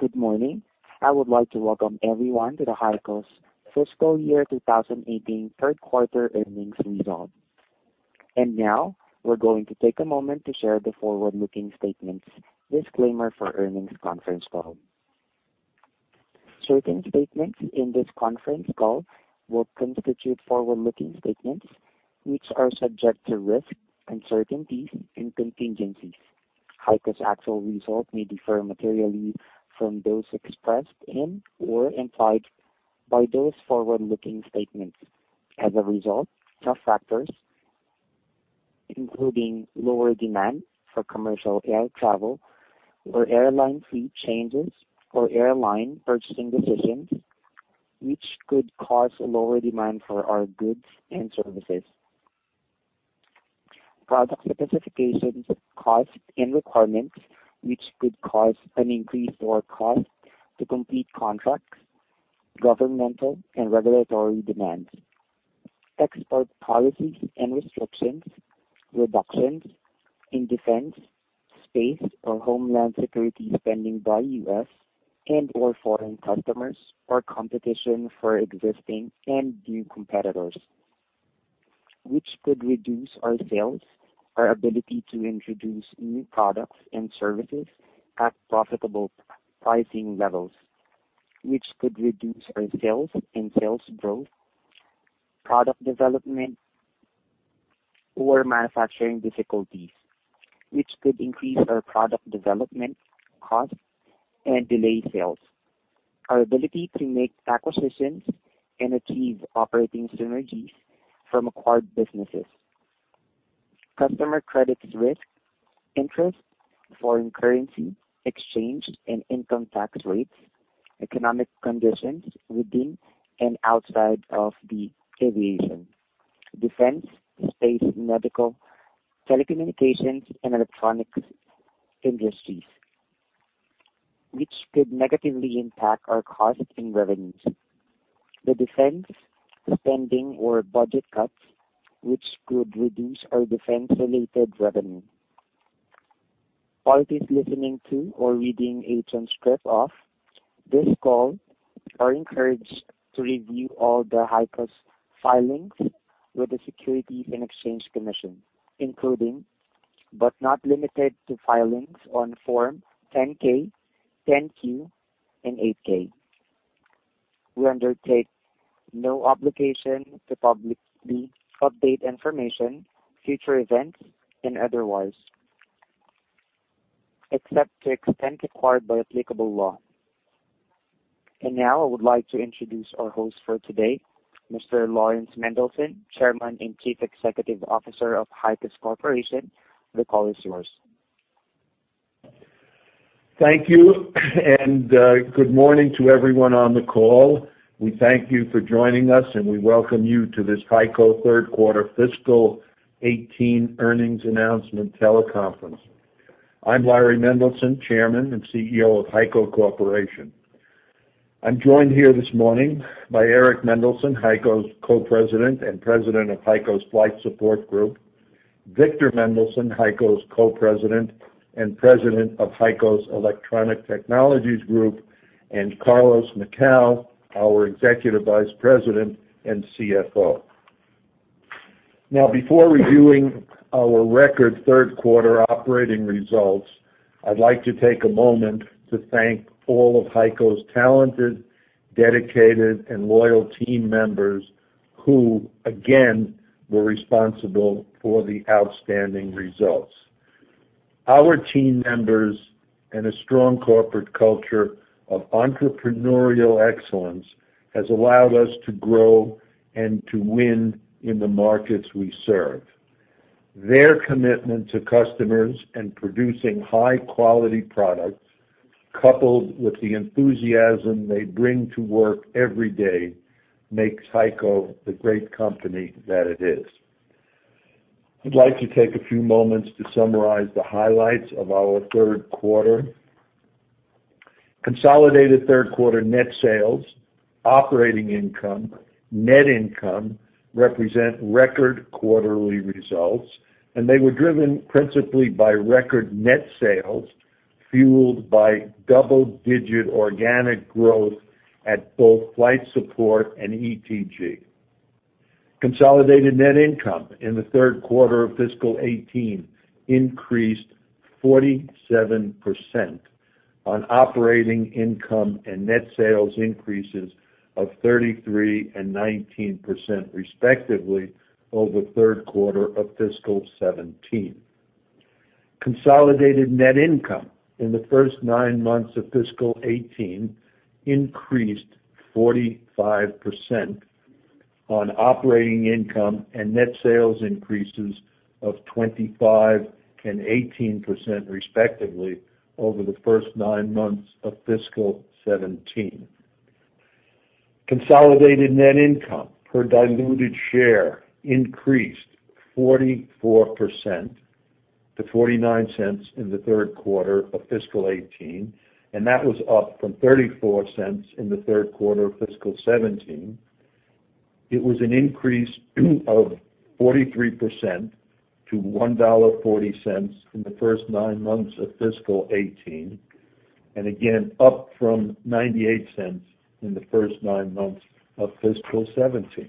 Good morning. I would like to welcome everyone to the HEICO's fiscal year 2018 third quarter earnings result. Now we're going to take a moment to share the forward-looking statements disclaimer for earnings conference call. Certain statements in this conference call will constitute forward-looking statements, which are subject to risks, uncertainties, and contingencies. HEICO's actual results may differ materially from those expressed in or implied by those forward-looking statements. As a result, some factors, including lower demand for commercial air travel or airline fee changes or airline purchasing decisions, which could cause a lower demand for our goods and services. Product specifications, costs, and requirements, which could cause an increase or cost to complete contracts, governmental and regulatory demands, export policies and restrictions, reductions in defense, space or homeland security spending by U.S. and/or foreign customers, or competition for existing and new competitors, which could reduce our sales, our ability to introduce new products and services at profitable pricing levels, which could reduce our sales and sales growth, product development or manufacturing difficulties, which could increase our product development costs and delay sales, our ability to make acquisitions and achieve operating synergies from acquired businesses, customer credit risk, interest, foreign currency, exchange, and income tax rates, economic conditions within and outside of the aviation, defense, space, medical, telecommunications, and electronics industries, which could negatively impact our costs and revenues. The defense spending or budget cuts, which could reduce our defense-related revenue. Parties listening to or reading a transcript of this call are encouraged to review all the HEICO's filings with the Securities and Exchange Commission, including but not limited to Filings on Form 10-K, 10-Q, and 8-K. We undertake no obligation to publicly update information, future events, and otherwise, except to extent required by applicable law. Now I would like to introduce our host for today, Mr. Laurans Mendelson, Chairman and Chief Executive Officer of HEICO Corporation. The call is yours. Thank you. Good morning to everyone on the call. We thank you for joining us. We welcome you to this HEICO third quarter fiscal 2018 earnings announcement teleconference. I'm Larry Mendelson, Chairman and CEO of HEICO Corporation. I'm joined here this morning by Eric Mendelson, HEICO's Co-President and President of HEICO's Flight Support Group, Victor Mendelson, HEICO's Co-President and President of HEICO's Electronic Technologies Group, Carlos Macau, our Executive Vice President and CFO. Before reviewing our record third quarter operating results, I'd like to take a moment to thank all of HEICO's talented, dedicated, and loyal team members who, again, were responsible for the outstanding results. Our team members and a strong corporate culture of entrepreneurial excellence has allowed us to grow and to win in the markets we serve. Their commitment to customers and producing high-quality products, coupled with the enthusiasm they bring to work every day, makes HEICO the great company that it is. I'd like to take a few moments to summarize the highlights of our third quarter. Consolidated third quarter net sales, operating income, net income, represent record quarterly results. They were driven principally by record net sales fueled by double-digit organic growth at both Flight Support and ETG. Consolidated net income in the third quarter of fiscal 2018 increased 47% on operating income and net sales increases of 33% and 19%, respectively, over the third quarter of fiscal 2017. Consolidated net income in the first nine months of fiscal 2018 increased 45% on operating income and net sales increases of 25% and 18%, respectively, over the first nine months of fiscal 2017. Consolidated net income per diluted share increased 44% to $0.49 in the third quarter of fiscal 2018. That was up from $0.34 in the third quarter of fiscal 2017. It was an increase of 43% to $1.40 in the first nine months of fiscal 2018. Again, up from $0.98 in the first nine months of fiscal 2017.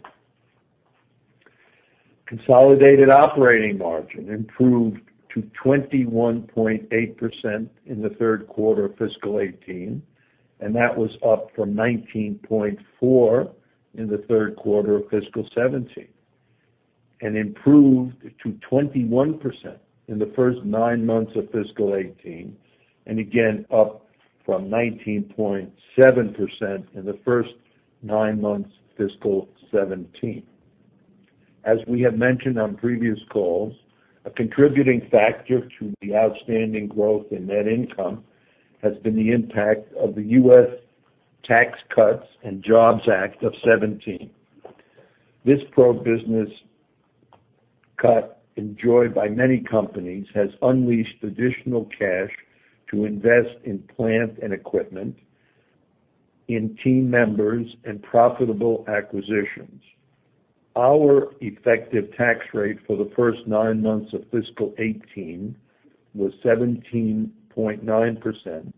Consolidated operating margin improved to 21.8% in the third quarter of fiscal 2018. That was up from 19.4% in the third quarter of fiscal 2017. Improved to 21% in the first nine months of fiscal 2018. Again, up from 19.7% in the first nine months of fiscal 2017. As we have mentioned on previous calls, a contributing factor to the outstanding growth in net income has been the impact of the U.S. Tax Cuts and Jobs Act of 2017. This pro-business cut enjoyed by many companies, has unleashed additional cash to invest in plant and equipment, in team members, and profitable acquisitions. Our effective tax rate for the first nine months of fiscal 2018 was 17.9%,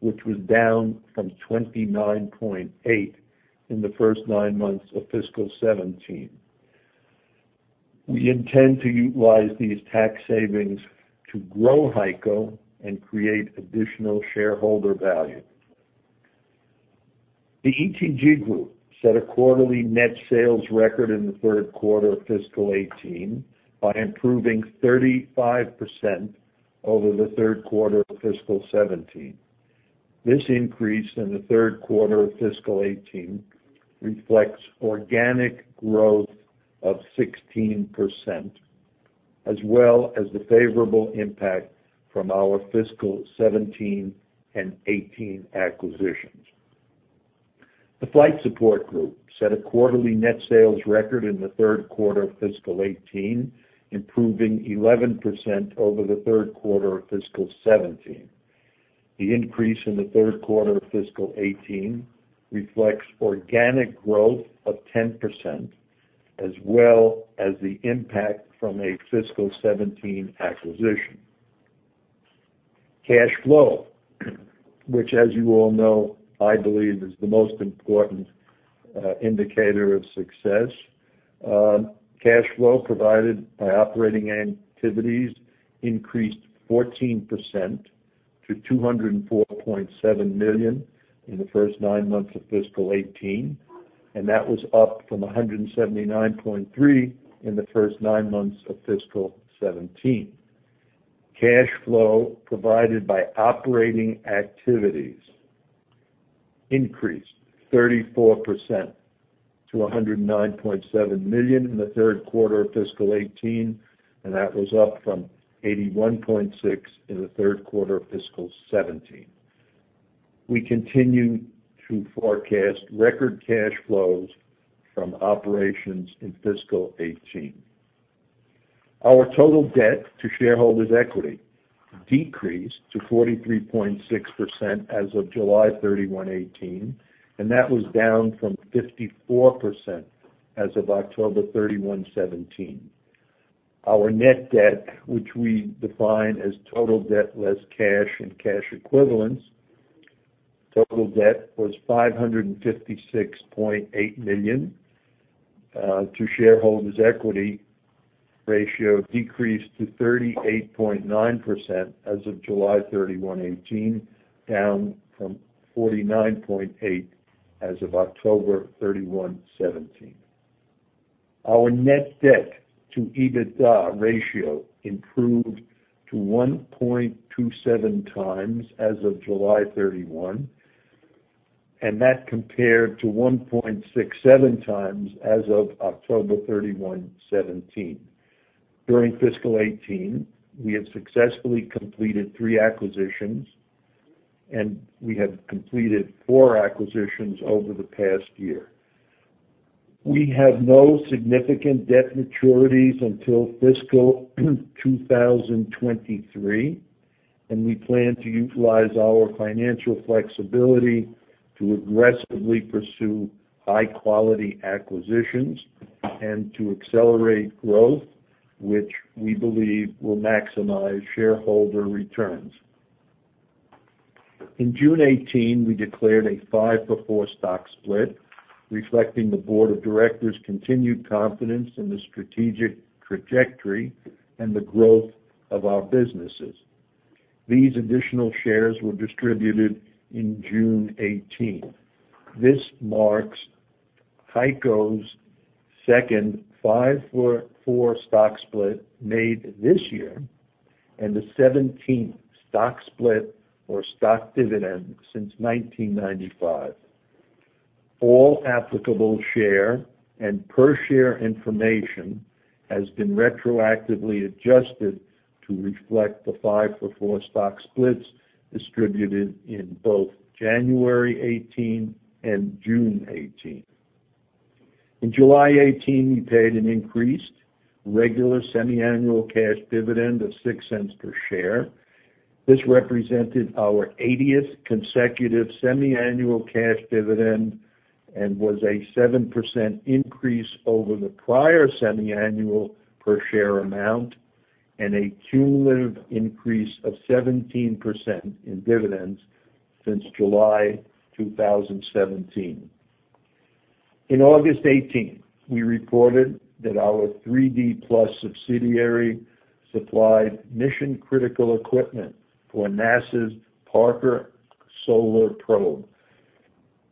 which was down from 29.8% in the first nine months of fiscal 2017. We intend to utilize these tax savings to grow HEICO and create additional shareholder value. The ETG Group set a quarterly net sales record in the third quarter of fiscal 2018 by improving 35% over the third quarter of fiscal 2017. This increase in the third quarter of fiscal 2018 reflects organic growth of 16%, as well as the favorable impact from our fiscal 2017 and 2018 acquisitions. The Flight Support Group set a quarterly net sales record in the third quarter of fiscal 2018, improving 11% over the third quarter of fiscal 2017. The increase in the third quarter of fiscal 2018 reflects organic growth of 10%, as well as the impact from a fiscal 2017 acquisition. Cash flow, which, as you all know, I believe is the most important indicator of success. Cash flow provided by operating activities increased 14% to $204.7 million in the first nine months of fiscal 2018. That was up from $179.3 million in the first nine months of fiscal 2017. Cash flow provided by operating activities increased 34% to $109.7 million in the third quarter of fiscal 2018. That was up from $81.6 million in the third quarter of fiscal 2017. We continue to forecast record cash flows from operations in fiscal 2018. Our total debt to shareholders' equity decreased to 43.6% as of July 31, 2018. That was down from 54% as of October 31, 2017. Our net debt, which we define as total debt less cash and cash equivalents, total debt was $556.8 million to shareholders' equity ratio decreased to 38.9% as of July 31, 2018, down from 49.8% as of October 31, 2017. Our net debt to EBITDA ratio improved to 1.27 times as of July 31. That compared to 1.67 times as of October 31, 2017. During fiscal 2018, we have successfully completed three acquisitions, and we have completed four acquisitions over the past year. We have no significant debt maturities until fiscal 2023, and we plan to utilize our financial flexibility to aggressively pursue high-quality acquisitions and to accelerate growth, which we believe will maximize shareholder returns. In June 2018, we declared a five-for-four stock split, reflecting the Board of Directors' continued confidence in the strategic trajectory and the growth of our businesses. These additional shares were distributed in June 2018. This marks HEICO's second five-for-four stock split made this year and the 17th stock split or stock dividend since 1995. All applicable share and per share information has been retroactively adjusted to reflect the five-for-four stock splits distributed in both January 2018 and June 2018. In July 2018, we paid an increased regular semi-annual cash dividend of $0.06 per share. This represented our 80th consecutive semiannual cash dividend and was a 7% increase over the prior semiannual per share amount and a cumulative increase of 17% in dividends since July 2017. In August 2018, we reported that our 3D PLUS subsidiary supplied mission-critical equipment for NASA's Parker Solar Probe.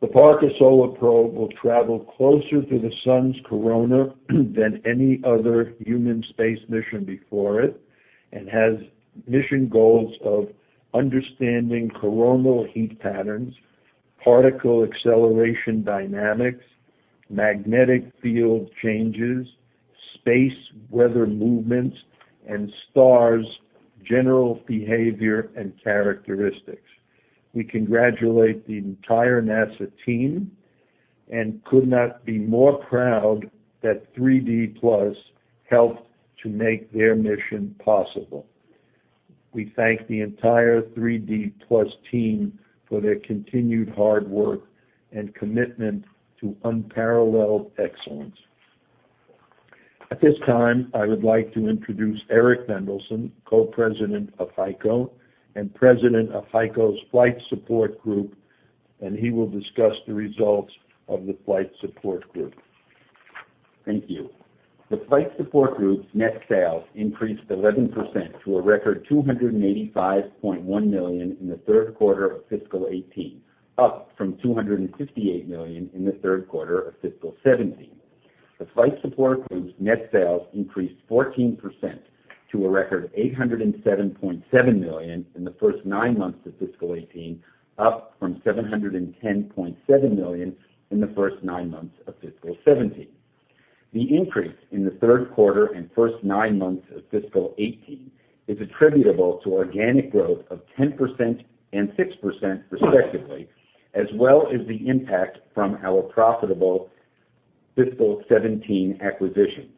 The Parker Solar Probe will travel closer to the Sun's corona than any other human space mission before it and has mission goals of understanding coronal heat patterns, particle acceleration dynamics, magnetic field changes, space weather movements, and stars' general behavior and characteristics. We congratulate the entire NASA team and could not be more proud that 3D PLUS helped to make their mission possible. We thank the entire 3D PLUS team for their continued hard work and commitment to unparalleled excellence. At this time, I would like to introduce Eric Mendelson, Co-President of HEICO and President of HEICO's Flight Support Group. He will discuss the results of the Flight Support Group. Thank you. The Flight Support Group's net sales increased 11% to a record $285.1 million in the third quarter of fiscal 2018, up from $258 million in the third quarter of fiscal 2017. The Flight Support Group's net sales increased 14% to a record $807.7 million in the first nine months of fiscal 2018, up from $710.7 million in the first nine months of fiscal 2017. The increase in the third quarter and first nine months of fiscal 2018 is attributable to organic growth of 10% and 6% respectively, as well as the impact from our profitable fiscal 2017 acquisitions.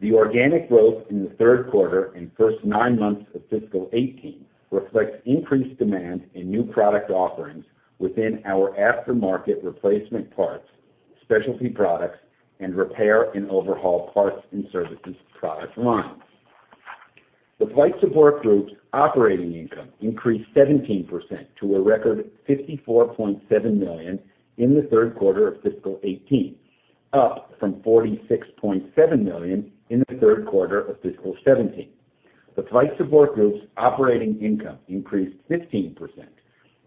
The organic growth in the third quarter and first nine months of fiscal 2018 reflects increased demand in new product offerings within our aftermarket replacement parts, specialty products, and repair and overhaul parts and services product lines. The Flight Support Group's operating income increased 17% to a record $54.7 million in the third quarter of FY 2018, up from $46.7 million in the third quarter of FY 2017. The Flight Support Group's operating income increased 15%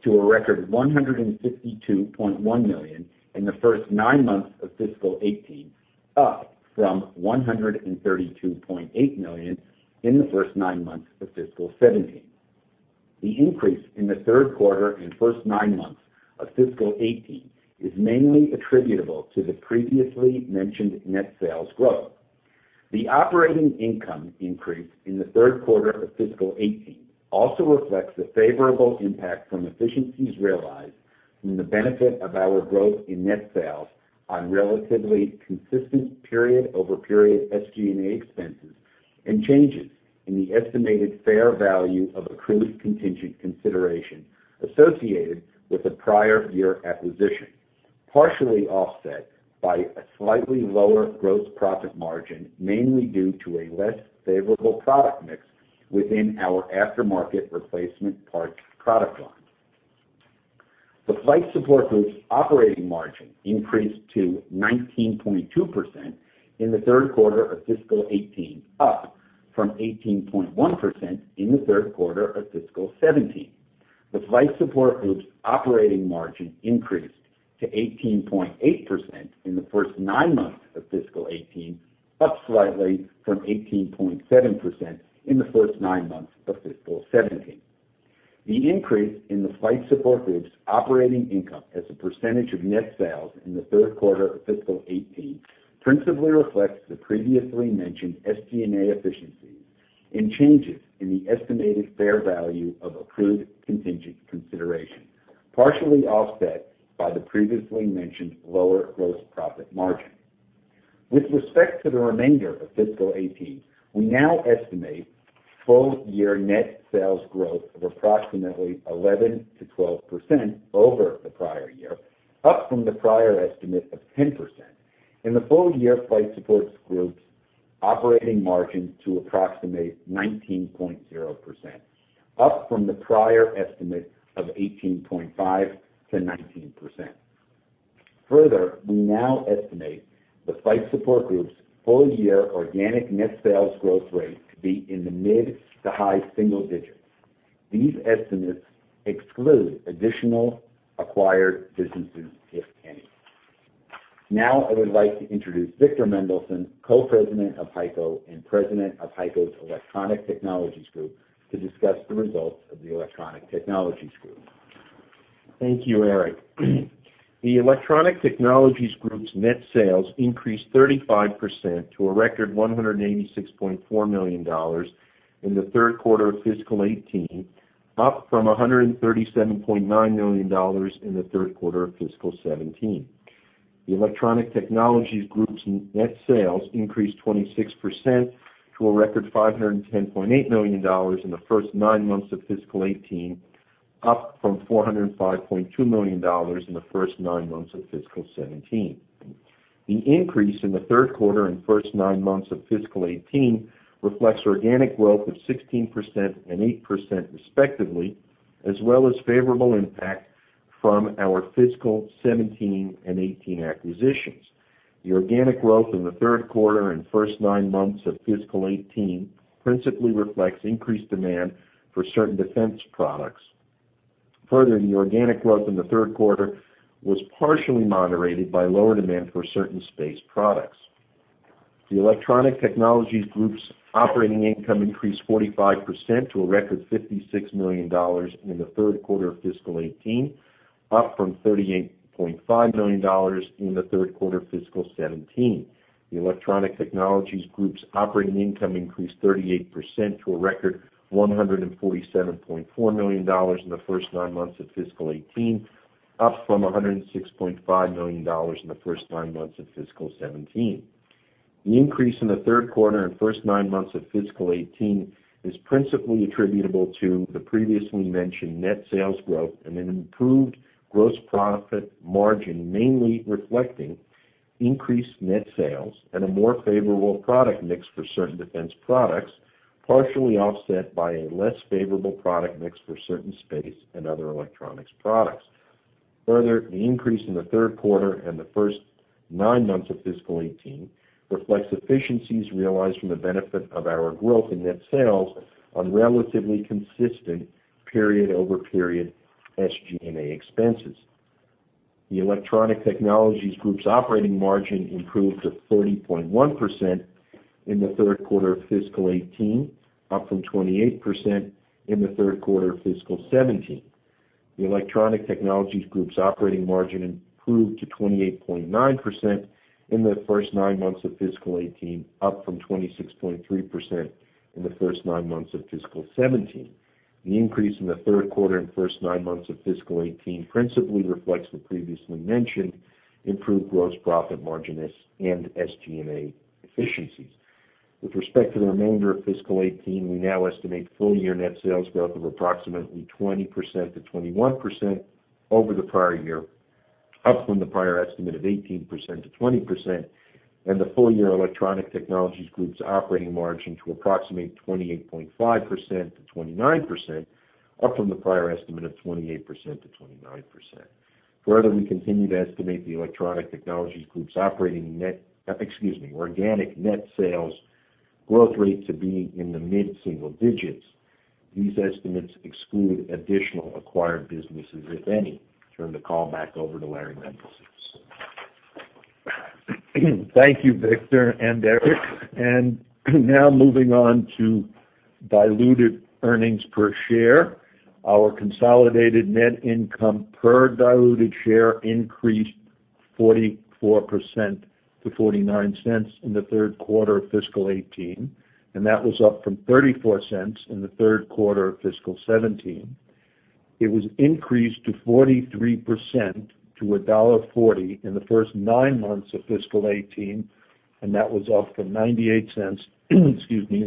to a record $152.1 million in the first nine months of FY 2018, up from $132.8 million in the first nine months of FY 2017. The increase in the third quarter and first nine months of FY 2018 is mainly attributable to the previously mentioned net sales growth. The operating income increase in the third quarter of FY 2018 also reflects the favorable impact from efficiencies realized from the benefit of our growth in net sales on relatively consistent period-over-period SG&A expenses and changes in the estimated fair value of accrued contingent consideration associated with the prior year acquisition, partially offset by a slightly lower gross profit margin, mainly due to a less favorable product mix within our aftermarket replacement parts product line. The Flight Support Group's operating margin increased to 19.2% in the third quarter of FY 2018, up from 18.1% in the third quarter of FY 2017. The Flight Support Group's operating margin increased to 18.8% in the first nine months of FY 2018, up slightly from 18.7% in the first nine months of FY 2017. The increase in the Flight Support Group's operating income as a percentage of net sales in the third quarter of FY 2018 principally reflects the previously mentioned SG&A efficiencies and changes in the estimated fair value of accrued contingent consideration, partially offset by the previously mentioned lower gross profit margin. With respect to the remainder of FY 2018, we now estimate full-year net sales growth of approximately 11%-12% over the prior year, up from the prior estimate of 10%, and the full-year Flight Support Group's operating margin to approximate 19.0%, up from the prior estimate of 18.5%-19%. Further, we now estimate the Flight Support Group's full-year organic net sales growth rate to be in the mid to high single digits. These estimates exclude additional acquired businesses, if any. I would like to introduce Victor Mendelson, Co-President of HEICO and President of HEICO's Electronic Technologies Group, to discuss the results of the Electronic Technologies Group. Thank you, Eric. The Electronic Technologies Group's net sales increased 35% to a record $186.4 million in the third quarter of fiscal 2018, up from $137.9 million in the third quarter of fiscal 2017. The Electronic Technologies Group's net sales increased 26% to a record $510.8 million in the first nine months of fiscal 2018, up from $405.2 million in the first nine months of fiscal 2017. The increase in the third quarter and first nine months of fiscal 2018 reflects organic growth of 16% and 8% respectively, as well as favorable impact from our fiscal 2017 and 2018 acquisitions. The organic growth in the third quarter and first nine months of fiscal 2018 principally reflects increased demand for certain defense products. Further, the organic growth in the third quarter was partially moderated by lower demand for certain space products. The Electronic Technologies Group's operating income increased 45% to a record $56 million in the third quarter of fiscal 2018, up from $38.5 million in the third quarter of fiscal 2017. The Electronic Technologies Group's operating income increased 38% to a record $147.4 million in the first nine months of fiscal 2018, up from $106.5 million in the first nine months of fiscal 2017. The increase in the third quarter and first nine months of fiscal 2018 is principally attributable to the previously mentioned net sales growth and an improved gross profit margin, mainly reflecting increased net sales and a more favorable product mix for certain defense products, partially offset by a less favorable product mix for certain space and other electronics products. Further, the increase in the third quarter and the first nine months of fiscal 2018 reflects efficiencies realized from the benefit of our growth in net sales on relatively consistent period-over-period SG&A expenses. The Electronic Technologies Group's operating margin improved to 30.1% in the third quarter of fiscal 2018, up from 28% in the third quarter of fiscal 2017. The Electronic Technologies Group's operating margin improved to 28.9% in the first nine months of fiscal 2018, up from 26.3% in the first nine months of fiscal 2017. The increase in the third quarter and first nine months of fiscal 2018 principally reflects the previously mentioned improved gross profit margin and SG&A efficiencies. With respect to the remainder of fiscal 2018, we now estimate full-year net sales growth of approximately 20%-21% over the prior year, up from the prior estimate of 18%-20%, and the full-year Electronic Technologies Group's operating margin to approximate 28.5%-29%, up from the prior estimate of 28%-29%. Further, we continue to estimate the Electronic Technologies Group's organic net sales growth rate to be in the mid-single digits. These estimates exclude additional acquired businesses, if any. I turn the call back over to Laurans Mendelson. Thank you, Victor and Eric. Now moving on to diluted earnings per share. Our consolidated net income per diluted share increased 44% to $0.49 in the third quarter of fiscal 2018, and that was up from $0.34 in the third quarter of fiscal 2017. It was increased to 43% to $1.40 in the first nine months of fiscal 2018, and that was up from $0.98 in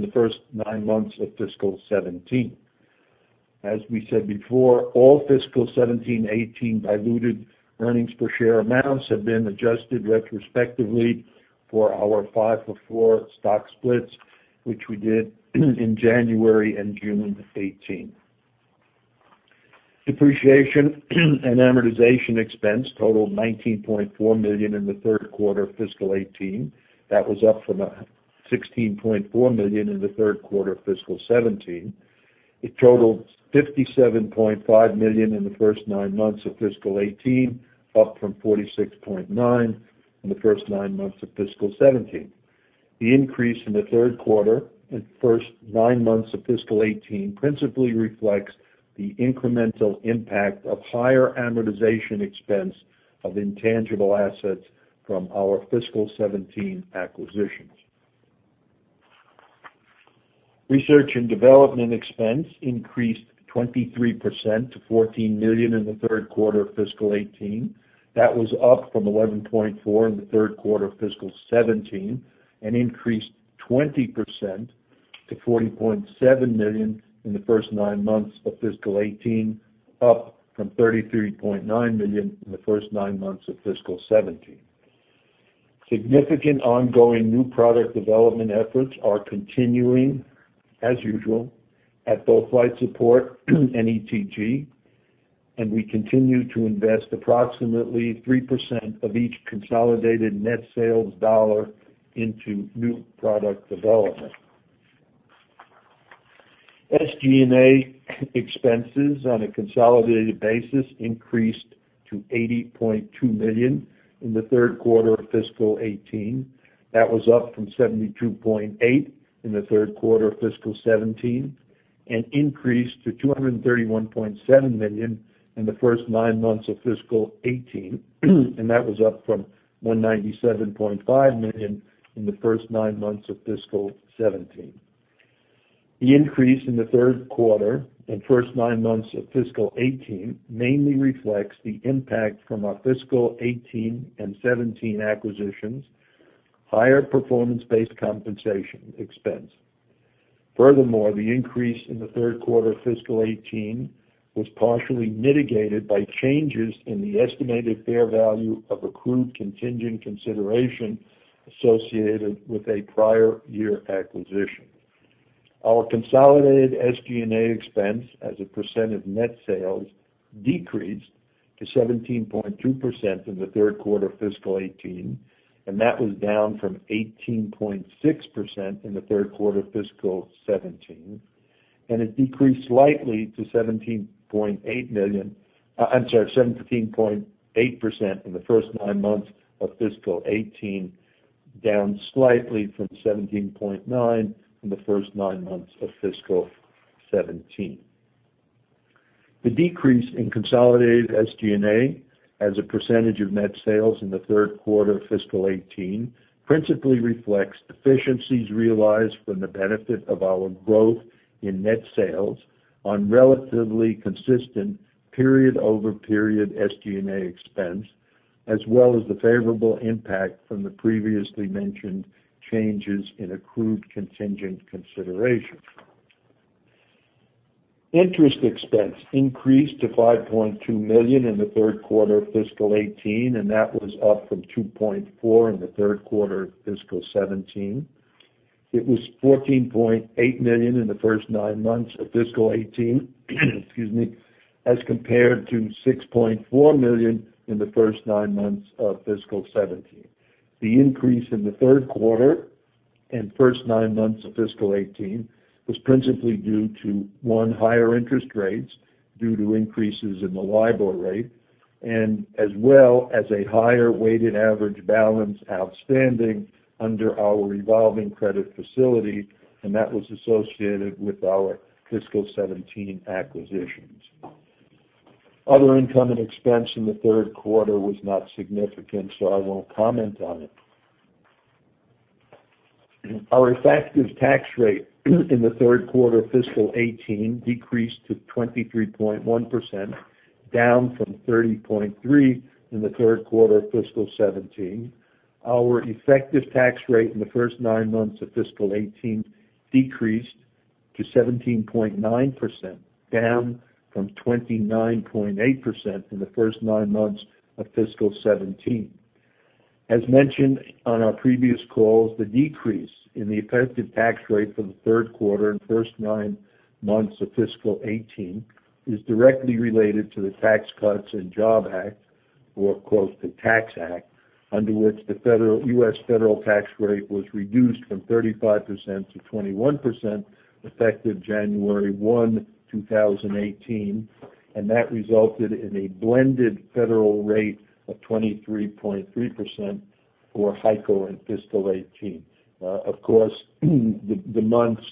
the first nine months of fiscal 2017. As we said before, all fiscal 2017-2018 diluted earnings per share amounts have been adjusted retrospectively for our five-for-four stock splits, which we did in January and June 2018. Depreciation and amortization expense totaled $19.4 million in the third quarter of fiscal 2018. That was up from $16.4 million in the third quarter of fiscal 2017. It totaled $57.5 million in the first nine months of fiscal 2018, up from $46.9 million in the first nine months of fiscal 2017. The increase in the third quarter and first nine months of fiscal 2018 principally reflects the incremental impact of higher amortization expense of intangible assets from our fiscal 2017 acquisitions. Research and development expense increased 23% to $14 million in the third quarter of fiscal 2018. That was up from $11.4 million in the third quarter of fiscal 2017, increased 20% to $40.7 million in the first nine months of fiscal 2018, up from $33.9 million in the first nine months of fiscal 2017. Significant ongoing new product development efforts are continuing as usual at both Flight Support and ETG, and we continue to invest approximately 3% of each consolidated net sales dollar into new product development. SG&A expenses on a consolidated basis increased to $80.2 million in the third quarter of fiscal 2018. That was up from $72.8 million in the third quarter of fiscal 2017, increased to $231.7 million in the first nine months of fiscal 2018. That was up from $197.5 million in the first nine months of fiscal 2017. The increase in the third quarter and first nine months of fiscal 2018 mainly reflects the impact from our fiscal 2018 and 2017 acquisitions, higher performance-based compensation expense. Furthermore, the increase in the third quarter of fiscal 2018 was partially mitigated by changes in the estimated fair value of accrued contingent consideration associated with a prior year acquisition. Our consolidated SG&A expense as a % of net sales decreased to 17.2% in the third quarter of fiscal 2018. That was down from 18.6% in the third quarter of fiscal 2017, and it decreased slightly to 17.8% in the first nine months of fiscal 2018, down slightly from 17.9% in the first nine months of fiscal 2017. The decrease in consolidated SG&A as a % of net sales in the third quarter of fiscal 2018 principally reflects efficiencies realized from the benefit of our growth in net sales on relatively consistent period-over-period SG&A expense, as well as the favorable impact from the previously mentioned changes in accrued contingent consideration. Interest expense increased to $5.2 million in the third quarter of fiscal 2018. That was up from $2.4 in the third quarter of fiscal 2017. It was $14.8 million in the first nine months of fiscal 2018, excuse me, as compared to $6.4 million in the first nine months of fiscal 2017. The increase in the third quarter and first nine months of fiscal 2018 was principally due to, one, higher interest rates due to increases in the LIBOR rate, as well as a higher weighted average balance outstanding under our revolving credit facility. That was associated with our fiscal 2017 acquisitions. Other income and expense in the third quarter was not significant, so I won't comment on it. Our effective tax rate in the third quarter of fiscal 2018 decreased to 23.1%, down from 30.3% in the third quarter of fiscal 2017. Our effective tax rate in the first nine months of fiscal 2018 decreased to 17.9%, down from 29.8% in the first nine months of fiscal 2017. As mentioned on our previous calls, the decrease in the effective tax rate for the third quarter and first nine months of fiscal 2018 is directly related to the Tax Cuts and Jobs Act, or close to Tax Act, under which the U.S. federal tax rate was reduced from 35% to 21%, effective January 1, 2018. That resulted in a blended federal rate of 23.3% for HEICO in fiscal 2018. Of course, the months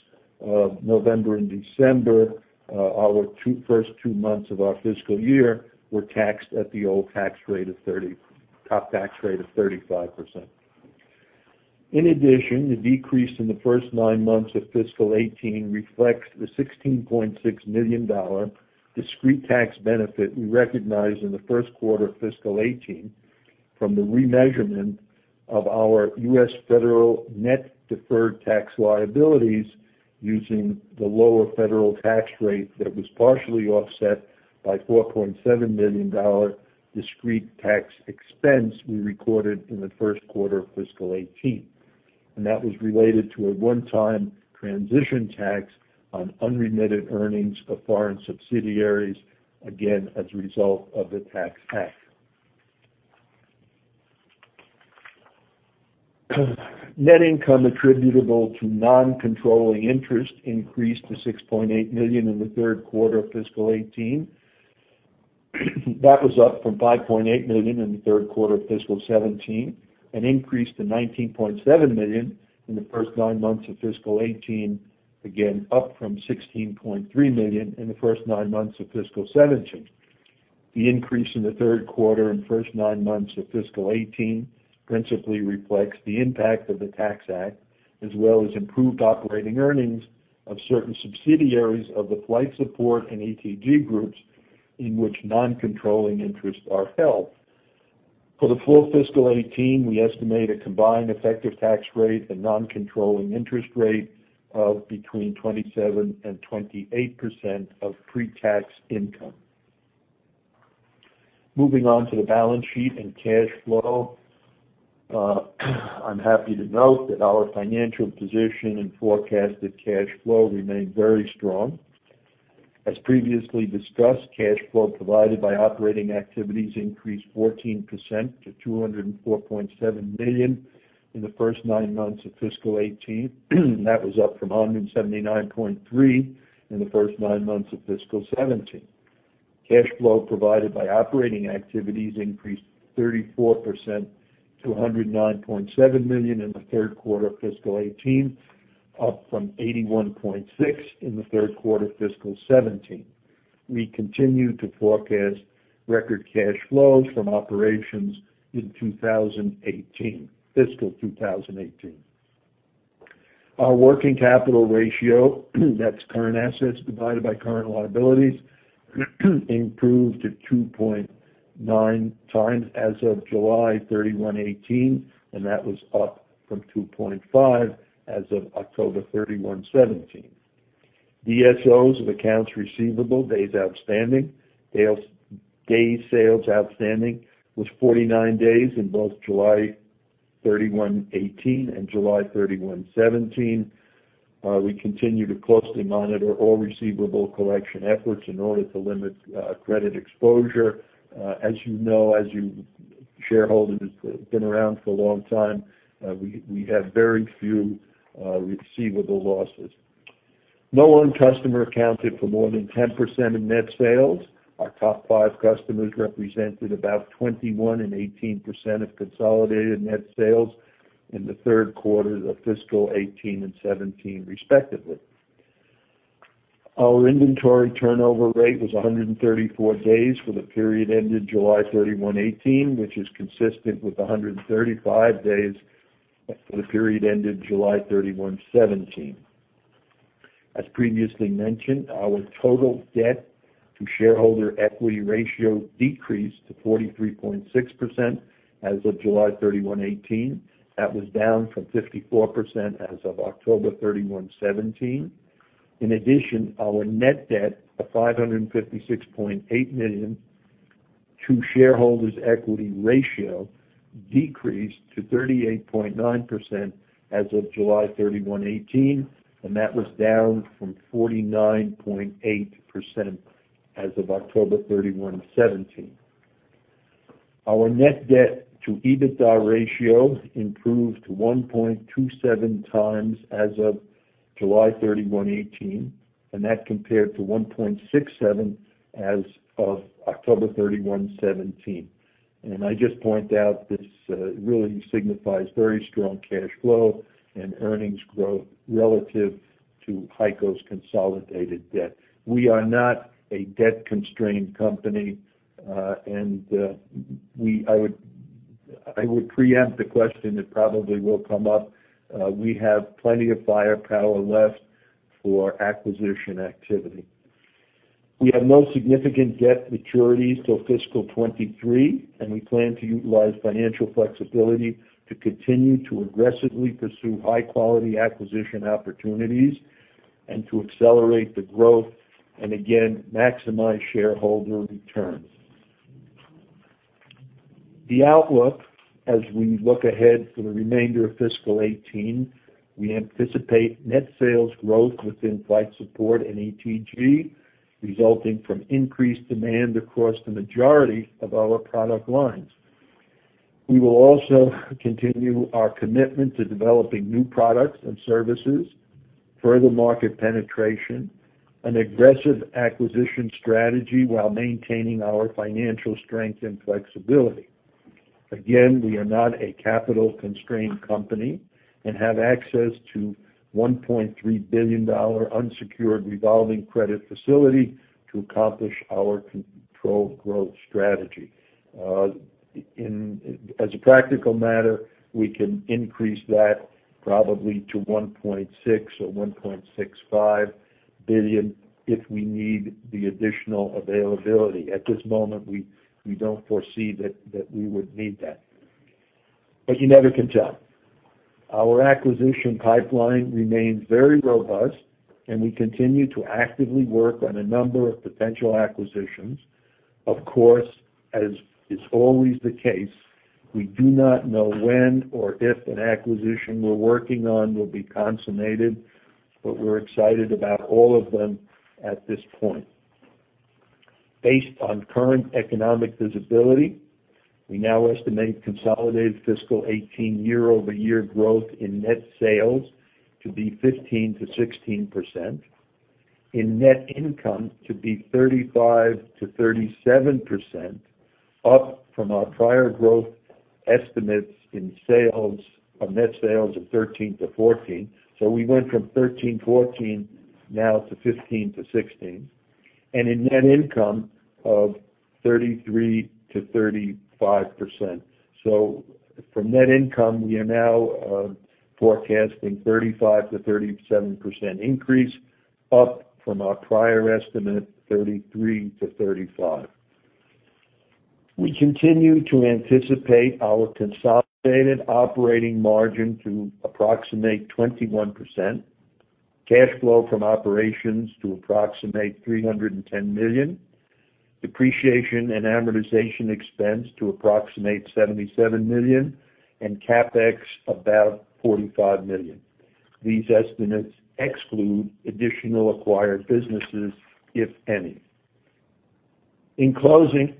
of November and December, our first two months of our fiscal year, were taxed at the old top tax rate of 35%. In addition, the decrease in the first nine months of fiscal 2018 reflects the $16.6 million discrete tax benefit we recognized in the first quarter of fiscal 2018 from the remeasurement of our U.S. federal net deferred tax liabilities using the lower federal tax rate that was partially offset by $4.7 million discrete tax expense we recorded in the first quarter of fiscal 2018. That was related to a one-time transition tax on unremitted earnings of foreign subsidiaries, again, as a result of the Tax Act. Net income attributable to non-controlling interest increased to $6.8 million in the third quarter of fiscal 2018. That was up from $5.8 million in the third quarter of fiscal 2017, an increase to $19.7 million in the first nine months of fiscal 2018, again, up from $16.3 million in the first nine months of fiscal 2017. The increase in the third quarter and first nine months of fiscal 2018 principally reflects the impact of the Tax Act, as well as improved operating earnings of certain subsidiaries of the Flight Support Group and ETG groups in which non-controlling interests are held. For the full fiscal 2018, we estimate a combined effective tax rate and non-controlling interest rate of between 27% and 28% of pre-tax income. Moving on to the balance sheet and cash flow. I'm happy to note that our financial position and forecasted cash flow remain very strong. As previously discussed, cash flow provided by operating activities increased 14% to $204.7 million in the first nine months of fiscal 2018. That was up from $179.3 million in the first nine months of fiscal 2017. Cash flow provided by operating activities increased 34% to $109.7 million in the third quarter of fiscal 2018, up from $81.6 million in the third quarter of fiscal 2017. We continue to forecast record cash flows from operations in fiscal 2018. Our working capital ratio, that's current assets divided by current liabilities, improved to 2.9 times as of July 31, 2018, and that was up from 2.5 times as of October 31, 2017. DSOs of accounts receivable, days outstanding, day sales outstanding was 49 days in both July 31, 2018 and July 31, 2017. We continue to closely monitor all receivable collection efforts in order to limit credit exposure. As you know, as you shareholders been around for a long time, we have very few receivable losses. No one customer accounted for more than 10% in net sales. Our top five customers represented about 21% and 18% of consolidated net sales in the third quarter of fiscal 2018 and 2017, respectively. Our inventory turnover rate was 134 days for the period ended July 31, 2018, which is consistent with 135 days for the period ended July 31, 2017. As previously mentioned, our total debt to shareholder equity ratio decreased to 43.6% as of July 31, 2018. That was down from 54% as of October 31, 2017. In addition, our net debt of $556.8 million to shareholders' equity ratio decreased to 38.9% as of July 31, 2018, and that was down from 49.8% as of October 31, 2017. Our net debt to EBITDA ratio improved to 1.27 times as of July 31, 2018, and that compared to 1.67 times as of October 31, 2017. I just point out this really signifies very strong cash flow and earnings growth relative to HEICO's consolidated debt. We are not a debt-constrained company. I would preempt the question that probably will come up. We have plenty of firepower left for acquisition activity. We have no significant debt maturities till fiscal 2023, and we plan to utilize financial flexibility to continue to aggressively pursue high-quality acquisition opportunities and to accelerate the growth, and again, maximize shareholder returns. The outlook as we look ahead for the remainder of fiscal 2018, we anticipate net sales growth within Flight Support Group and ETG, resulting from increased demand across the majority of our product lines. We will also continue our commitment to developing new products and services, further market penetration, an aggressive acquisition strategy while maintaining our financial strength and flexibility. We are not a capital-constrained company and have access to $1.3 billion unsecured revolving credit facility to accomplish our controlled growth strategy. As a practical matter, we can increase that probably to $1.6 billion-$1.65 billion if we need the additional availability. At this moment, we don't foresee that we would need that. You never can tell. Our acquisition pipeline remains very robust. We continue to actively work on a number of potential acquisitions. Of course, as is always the case, we do not know when or if an acquisition we're working on will be consummated, but we're excited about all of them at this point. Based on current economic visibility, we now estimate consolidated fiscal 2018 year-over-year growth in net sales to be 15%-16%, in net income to be 35%-37%, up from our prior growth estimates in net sales of 13%-14%. We went from 13%-14%, now to 15%-16%. In net income of 33%-35%. From net income, we are now forecasting 35%-37% increase, up from our prior estimate, 33%-35%. We continue to anticipate our consolidated operating margin to approximate 21%, cash flow from operations to approximate $310 million, depreciation and amortization expense to approximate $77 million, and CapEx about $45 million. These estimates exclude additional acquired businesses, if any. In closing,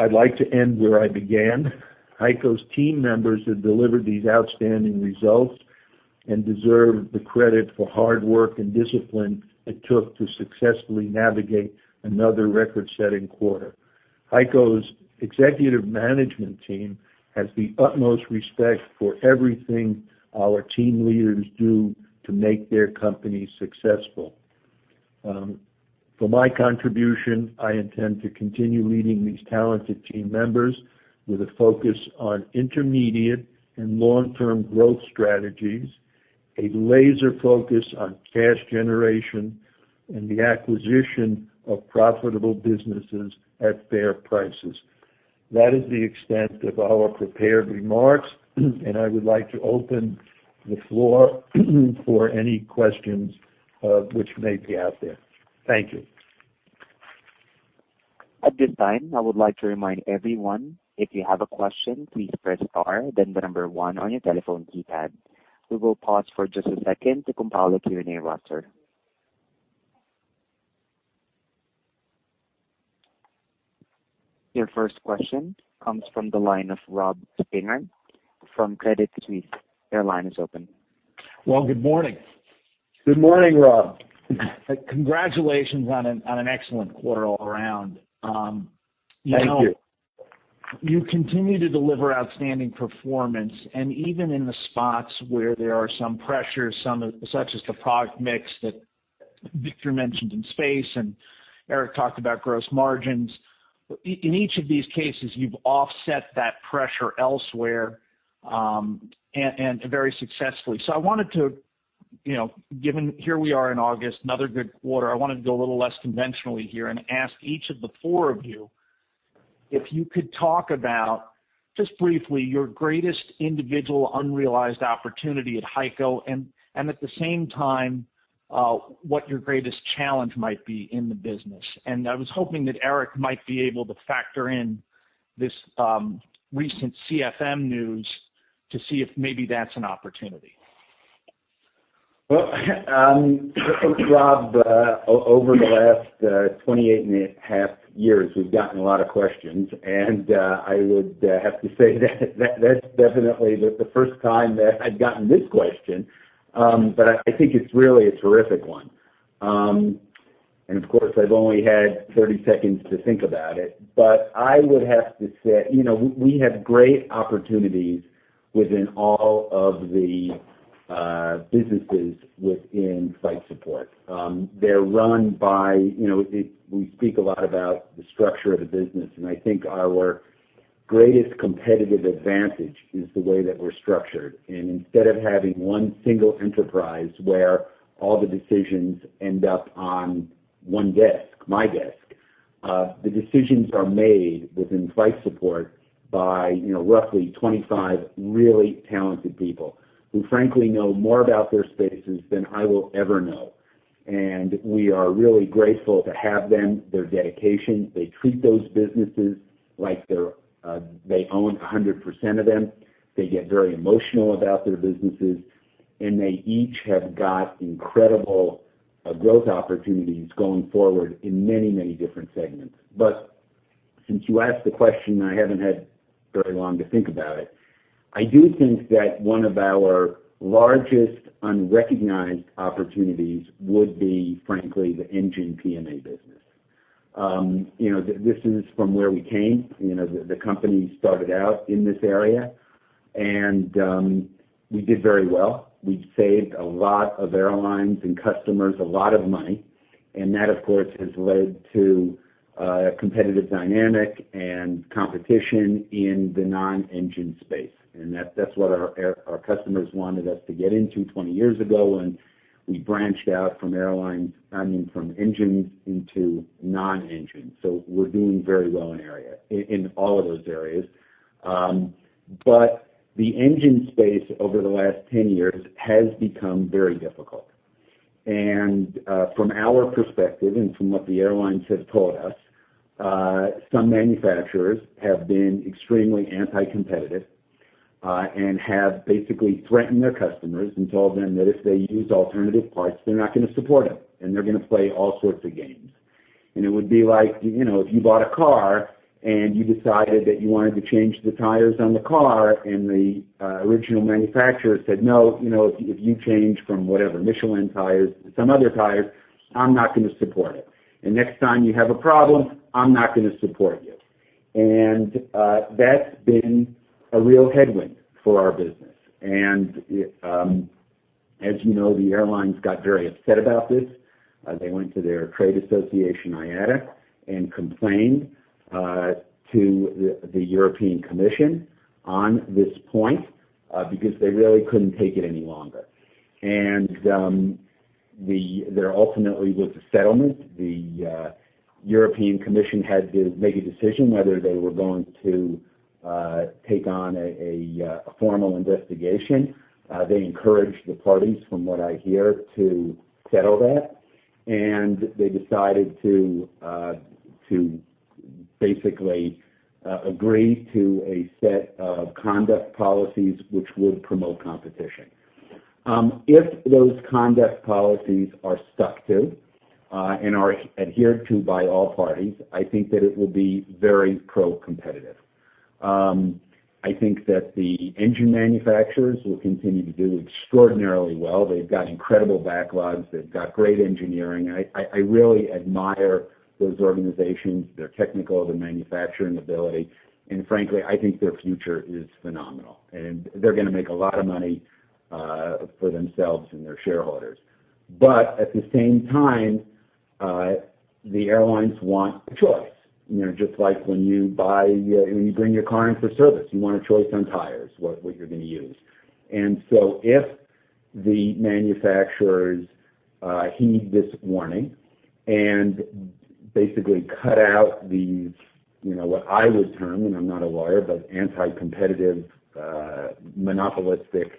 I'd like to end where I began. HEICO's team members have delivered these outstanding results and deserve the credit for hard work and discipline it took to successfully navigate another record-setting quarter. HEICO's executive management team has the utmost respect for everything our team leaders do to make their company successful. For my contribution, I intend to continue leading these talented team members with a focus on intermediate and long-term growth strategies, a laser focus on cash generation, and the acquisition of profitable businesses at fair prices. That is the extent of our prepared remarks. I would like to open the floor for any questions which may be out there. Thank you. At this time, I would like to remind everyone, if you have a question, please press star, then the number one on your telephone keypad. We will pause for just a second to compile a Q&A roster. Your first question comes from the line of Robert Spingarn from Credit Suisse. Your line is open. Well, good morning. Good morning, Rob. Congratulations on an excellent quarter all around. Thank you. You continue to deliver outstanding performance, even in the spots where there are some pressures, such as the product mix that Victor mentioned in space, Eric talked about gross margins. In each of these cases, you've offset that pressure elsewhere, very successfully. I wanted to, given here we are in August, another good quarter, I wanted to go a little less conventionally here and ask each of the four of you if you could talk about, just briefly, your greatest individual unrealized opportunity at HEICO and at the same time, what your greatest challenge might be in the business. I was hoping that Eric might be able to factor in this recent CFM news to see if maybe that's an opportunity. Rob, over the last 28.5 years, we've gotten a lot of questions, I would have to say that's definitely the first time that I've gotten this question, I think it's really a terrific one. Of course, I've only had 30 seconds to think about it. I would have to say, we have great opportunities within all of the businesses within Flight Support. We speak a lot about the structure of the business, I think our greatest competitive advantage is the way that we're structured. Instead of having one single enterprise where all the decisions end up on one desk, my desk, the decisions are made within Flight Support by roughly 25 really talented people who frankly know more about their spaces than I will ever know. We are really grateful to have them, their dedication. They treat those businesses like they own 100% of them. They get very emotional about their businesses, they each have got incredible growth opportunities going forward in many different segments. Since you asked the question I haven't had very long to think about it, I do think that one of our largest unrecognized opportunities would be, frankly, the engine PMA business. This is from where we came. The company started out in this area, we did very well. We've saved a lot of airlines and customers a lot of money, that, of course, has led to a competitive dynamic, competition in the non-engine space. That's what our customers wanted us to get into 20 years ago, we branched out from engines into non-engines. We're doing very well in all of those areas. The engine space over the last 10 years has become very difficult. From our perspective and from what the airlines have told us, some manufacturers have been extremely anti-competitive, and have basically threatened their customers and told them that if they use alternative parts, they're not going to support them, and they're going to play all sorts of games. It would be like if you bought a car and you decided that you wanted to change the tires on the car, and the original manufacturer said, "No, if you change from whatever Michelin tires to some other tires, I'm not going to support it. Next time you have a problem, I'm not going to support you." That's been a real headwind for our business. As you know, the airlines got very upset about this. They went to their trade association, IATA, and complained to the European Commission on this point, because they really couldn't take it any longer. There ultimately was a settlement. The European Commission had to make a decision whether they were going to take on a formal investigation. They encouraged the parties, from what I hear, to settle that, and they decided to basically agree to a set of conduct policies which would promote competition. If those conduct policies are stuck to and are adhered to by all parties, I think that it will be very pro-competitive. I think that the engine manufacturers will continue to do extraordinarily well. They've got incredible backlogs. They've got great engineering. I really admire those organizations, their technical, their manufacturing ability, and frankly, I think their future is phenomenal. They're going to make a lot of money for themselves and their shareholders. At the same time, the airlines want choice. Just like when you bring your car in for service, you want a choice on tires, what you're going to use. If the manufacturers heed this warning and basically cut out these, what I would term, and I'm not a lawyer, but anti-competitive, monopolistic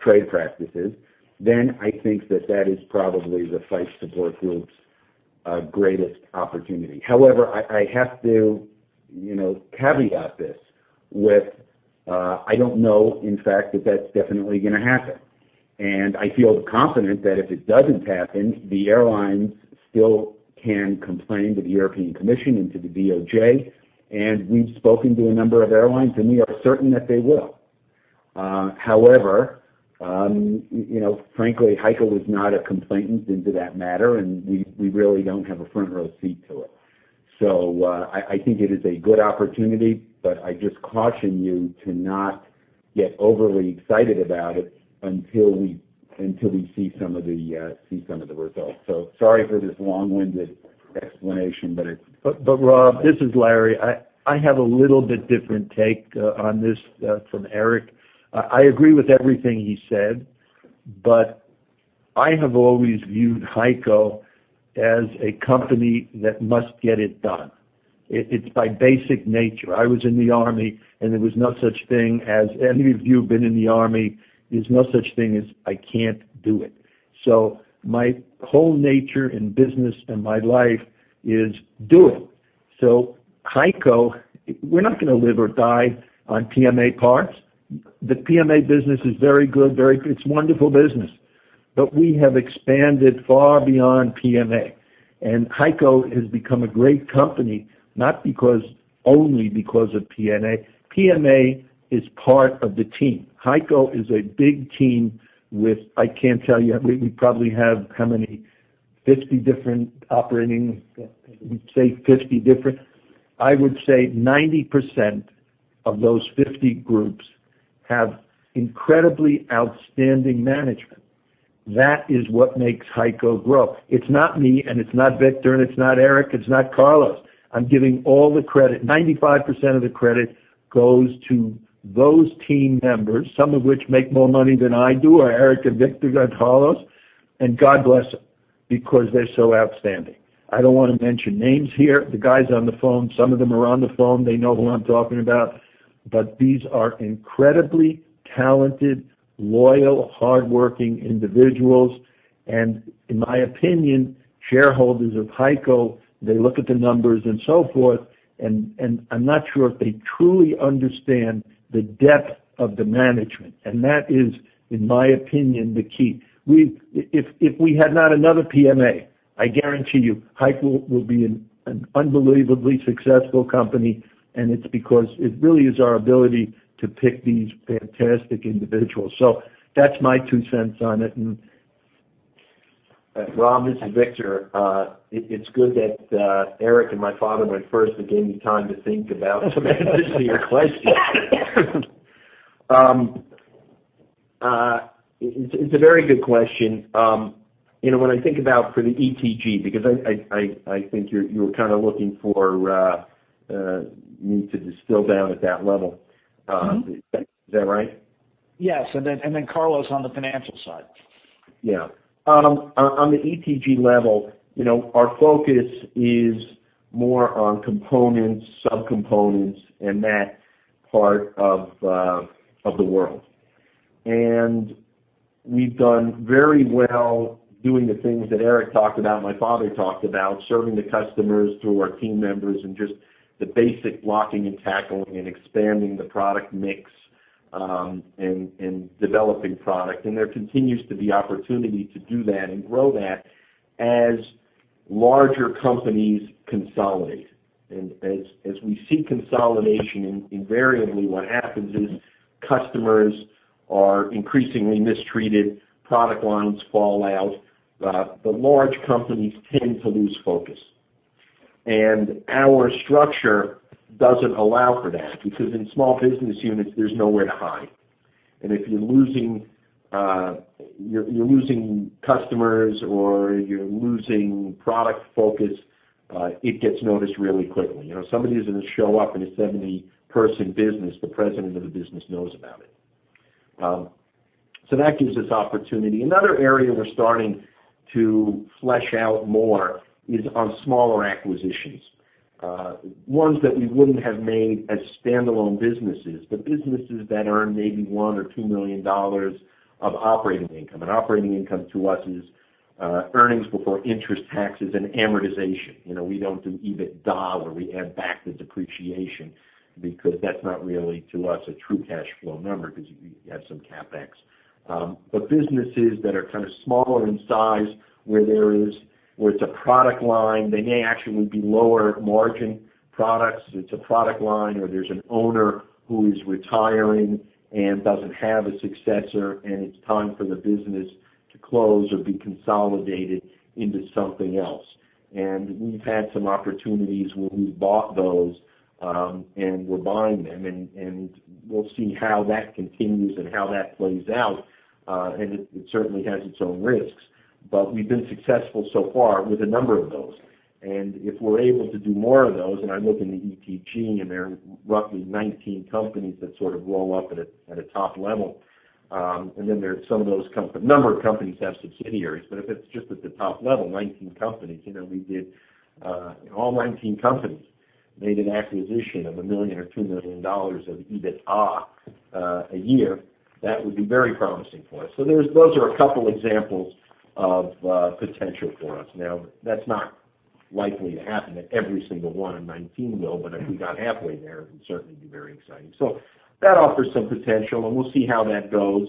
trade practices, then I think that is probably the Flight Support Group's greatest opportunity. However, I have to caveat this with, I don't know, in fact, that that's definitely going to happen. I feel confident that if it doesn't happen, the airlines still can complain to the European Commission and to the DOJ. We've spoken to a number of airlines, and we are certain that they will. However, frankly, HEICO is not a complainant into that matter, and we really don't have a front row seat to it. I think it is a good opportunity, but I just caution you to not get overly excited about it until we see some of the results. Sorry for this long-winded explanation, but it's. Rob, this is Larry. I have a little bit different take on this from Eric. I agree with everything he said, but I have always viewed HEICO as a company that must get it done. It's by basic nature. I was in the army, and there was no such thing as, any of you who've been in the army, there's no such thing as I can't do it. My whole nature in business and my life is do it. HEICO, we're not going to live or die on PMA parts. The PMA business is very good. It's a wonderful business. We have expanded far beyond PMA, and HEICO has become a great company, not only because of PMA. PMA is part of the team. HEICO is a big team with, I can't tell you, we probably have how many? 50 different operating, we'd say 50 different. I would say 90% of those 50 groups have incredibly outstanding management. That is what makes HEICO grow. It's not me, and it's not Victor, and it's not Eric, it's not Carlos. I'm giving all the credit. 95% of the credit goes to those team members, some of which make more money than I do, or Eric, or Victor, or Carlos, and God bless them because they're so outstanding. I don't want to mention names here. The guys on the phone, some of them are on the phone. They know who I'm talking about. These are incredibly talented, loyal, hardworking individuals. In my opinion, shareholders of HEICO, they look at the numbers and so forth, and I'm not sure if they truly understand the depth of the management. That is, in my opinion, the key. If we had not another PMA, I guarantee you, HEICO will be an unbelievably successful company, and it's because it really is our ability to pick these fantastic individuals. That's my two cents on it and Rob, this is Victor. It's good that Eric and my father went first. It gave me time to think about some answers to your question. It's a very good question. When I think about for the ETG, because I think you're kind of looking for me to distill down at that level. Is that right? Yes, Carlos on the financial side. Yeah. On the ETG level, our focus is more on components, sub-components, that part of the world. We've done very well doing the things that Eric talked about, my father talked about, serving the customers through our team members and just the basic blocking and tackling and expanding the product mix, developing product. There continues to be opportunity to do that and grow that as larger companies consolidate. As we see consolidation, invariably what happens is customers are increasingly mistreated, product lines fall out. The large companies tend to lose focus. Our structure doesn't allow for that, because in small business units, there's nowhere to hide. If you're losing customers or you're losing product focus, it gets noticed really quickly. Somebody doesn't show up in a 70-person business, the president of the business knows about it. That gives us opportunity. Another area we're starting to flesh out more is on smaller acquisitions. Ones that we wouldn't have made as standalone businesses, but businesses that earn maybe $1 million or $2 million of operating income. Operating income to us is earnings before interest, taxes, and amortization. We don't do EBITDA, where we add back the depreciation because that's not really, to us, a true cash flow number because you have some CapEx. Businesses that are kind of smaller in size, where it's a product line, they may actually be lower margin products. It's a product line, or there's an owner who is retiring and doesn't have a successor, and it's time for the business close or be consolidated into something else. We've had some opportunities where we've bought those, and we're buying them, and we'll see how that continues and how that plays out. It certainly has its own risks, we've been successful so far with a number of those. If we're able to do more of those, and I'm looking at ETG, and there are roughly 19 companies that sort of roll up at a top level. A number of companies have subsidiaries, but if it's just at the top level, 19 companies. If all 19 companies made an acquisition of $1 million or $2 million of EBITDA a year, that would be very promising for us. Those are a couple examples of potential for us. That's not likely to happen at every single one of 19, though, but if we got halfway there, it'd certainly be very exciting. That offers some potential, and we'll see how that goes.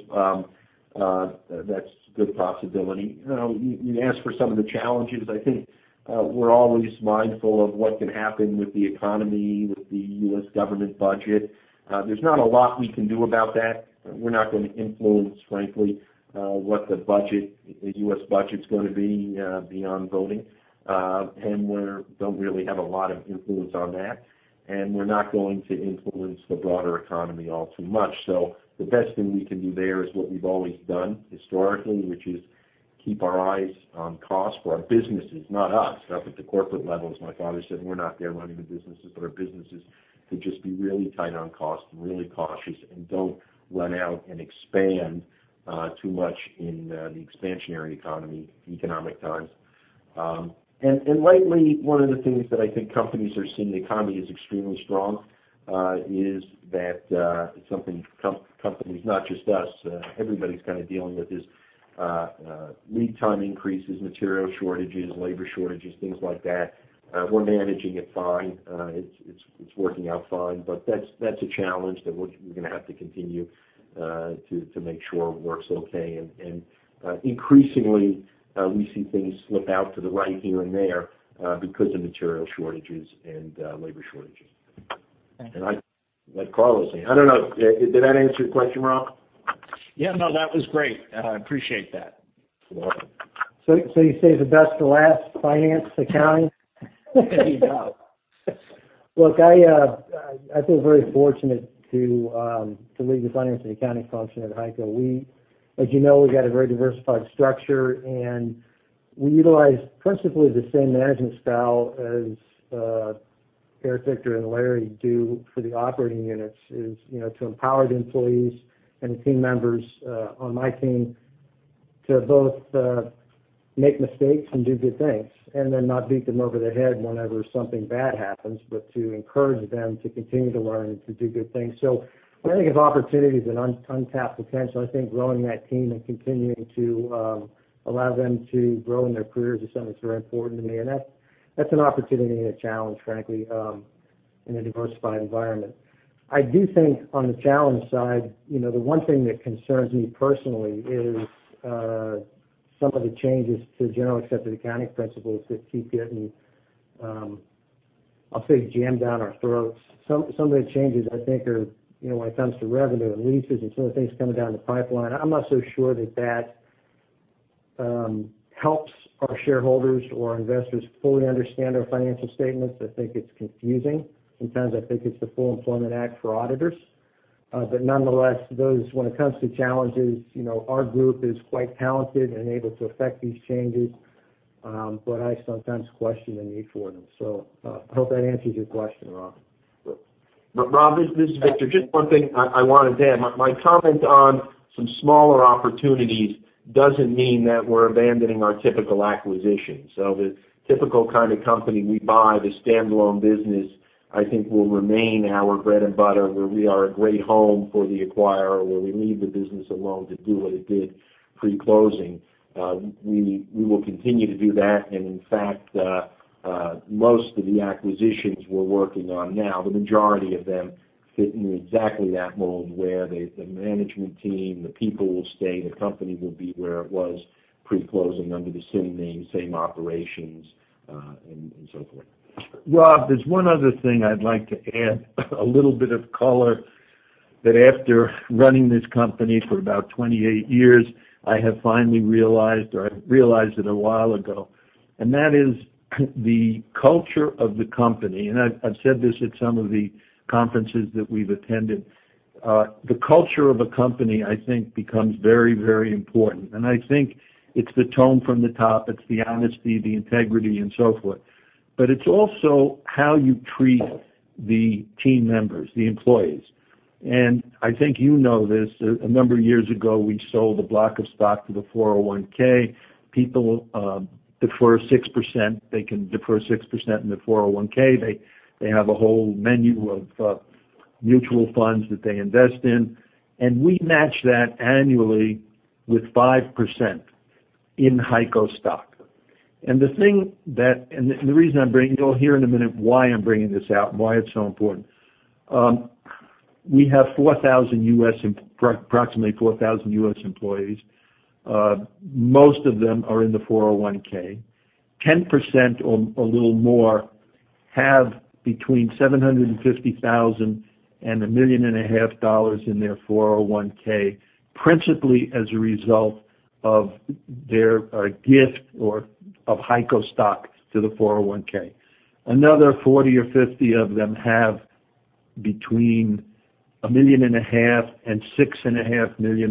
That's a good possibility. You asked for some of the challenges. I think, we're always mindful of what can happen with the economy, with the U.S. government budget. There's not a lot we can do about that. We're not going to influence, frankly, what the U.S. budget's going to be, beyond voting. We don't really have a lot of influence on that, and we're not going to influence the broader economy all too much. The best thing we can do there is what we've always done historically, which is keep our eyes on cost for our businesses. Not us, up at the corporate levels. My father said we're not there running the businesses. Our businesses could just be really tight on cost and really cautious and don't run out and expand too much in the expansionary economic times. Lately, one of the things that I think companies are seeing, the economy is extremely strong. It's something companies, not just us, everybody's kind of dealing with is, lead time increases, material shortages, labor shortages, things like that. We're managing it fine. It's working out fine, but that's a challenge that we're going to have to continue to make sure works okay. Increasingly, we see things slip out to the right here and there, because of material shortages and labor shortages. Thanks. Like Carlos was saying, I don't know, did that answer your question, Rob? Yeah, no, that was great. I appreciate that. You're welcome. You saved the best for last, finance, accounting? There you go. I feel very fortunate to lead the finance and accounting function at HEICO. As you know, we've got a very diversified structure, and we utilize principally the same management style as Eric, Victor, and Larry do for the operating units is, to empower the employees and team members, on my team to both make mistakes and do good things. Not beat them over the head whenever something bad happens, but to encourage them to continue to learn and to do good things. When I think of opportunities and untapped potential, I think growing that team and continuing to allow them to grow in their careers is something that's very important to me. That's an opportunity and a challenge, frankly, in a diversified environment. I do think on the challenge side, the one thing that concerns me personally is some of the changes to generally accepted accounting principles that keep getting, I'll say, jammed down our throats. Some of the changes, I think are, when it comes to revenue and leases and some of the things coming down the pipeline, I'm not so sure that that helps our shareholders or investors fully understand our financial statements. I think it's confusing. Sometimes I think it's the Full Employment Act for auditors. Nonetheless, when it comes to challenges, our group is quite talented and able to effect these changes, but I sometimes question the need for them. I hope that answers your question, Rob. Rob, this is Victor. Just one thing I wanted to add. My comment on some smaller opportunities doesn't mean that we're abandoning our typical acquisition. The typical kind of company we buy, the standalone business, I think, will remain our bread and butter, where we are a great home for the acquirer, where we leave the business alone to do what it did pre-closing. We will continue to do that, and in fact, most of the acquisitions we're working on now, the majority of them fit into exactly that mold where the management team, the people will stay, the company will be where it was pre-closing under the same name, same operations, and so forth. Rob, there's one other thing I'd like to add, a little bit of color, that after running this company for about 28 years, I have finally realized, or I realized it a while ago, and that is the culture of the company. I've said this at some of the conferences that we've attended. The culture of a company, I think, becomes very, very important, and I think it's the tone from the top, it's the honesty, the integrity, and so forth. It's also how you treat the team members, the employees. I think you know this, a number of years ago, we sold a block of stock to the 401(k). People, they can defer 6% in the 401(k). They have a whole menu of mutual funds that they invest in, and we match that annually with 5% in HEICO stock. You'll hear in a minute why I'm bringing this out and why it's so important. We have approximately 4,000 U.S. employees. Most of them are in the 401(k). 10% or a little more have between $750,000 and $1.5 million in their 401(k), principally as a result of their gift of HEICO stock to the 401(k). Another 40 or 50 of them have between $1.5 million and $6.5 million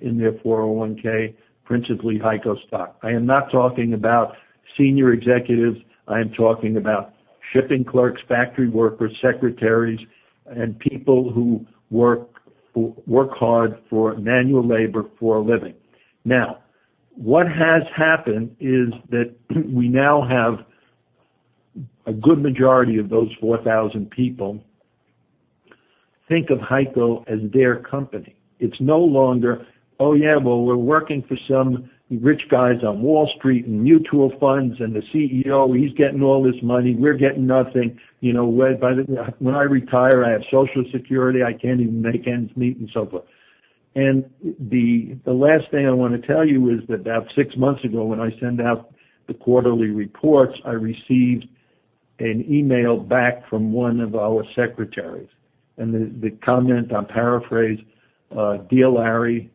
in their 401(k), principally HEICO stock. I am not talking about senior executives, I am talking about shipping clerks, factory workers, secretaries, and people who work hard for manual labor for a living. What has happened is that we now have a good majority of those 4,000 people think of HEICO as their company. It's no longer, "Oh, yeah, well, we're working for some rich guys on Wall Street and mutual funds, and the CEO, he's getting all this money. We're getting nothing. When I retire, I have Social Security. I can't even make ends meet," and so forth. The last thing I want to tell you is that about six months ago, when I send out the quarterly reports, I received an email back from one of our secretaries, and the comment, I'll paraphrase, "Dear Larry,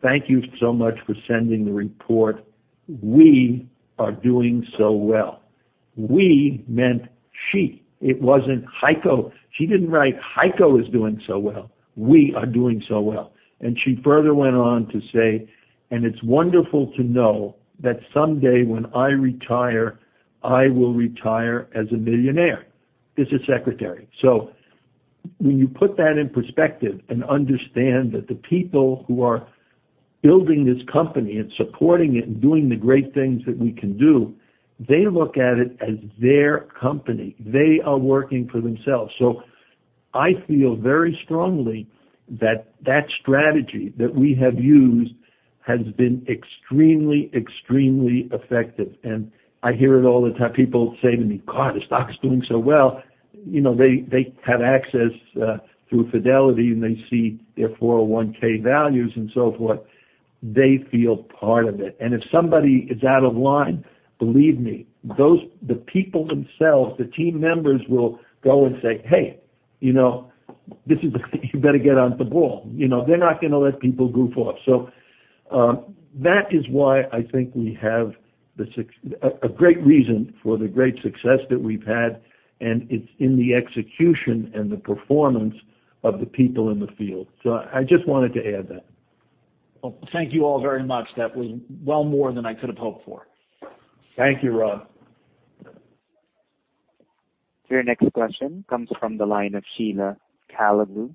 thank you so much for sending the report. We are doing so well." We meant she. It wasn't HEICO. She didn't write, HEICO is doing so well. We are doing so well. She further went on to say, "And it's wonderful to know that someday when I retire, I will retire as a millionaire." This is secretary. When you put that in perspective and understand that the people who are building this company and supporting it and doing the great things that we can do, they look at it as their company. They are working for themselves. I feel very strongly that that strategy that we have used has been extremely effective. I hear it all the time. People say to me, "God, the stock is doing so well." They have access through Fidelity, and they see their 401(k) values and so forth. They feel part of it. If somebody is out of line, believe me, the people themselves, the team members will go and say, "Hey, you better get on the ball." They're not going to let people goof off. That is why I think we have a great reason for the great success that we've had, and it's in the execution and the performance of the people in the field. I just wanted to add that. Well, thank you all very much. That was well more than I could have hoped for. Thank you, Rob. Your next question comes from the line of Sheila Kahyaoglu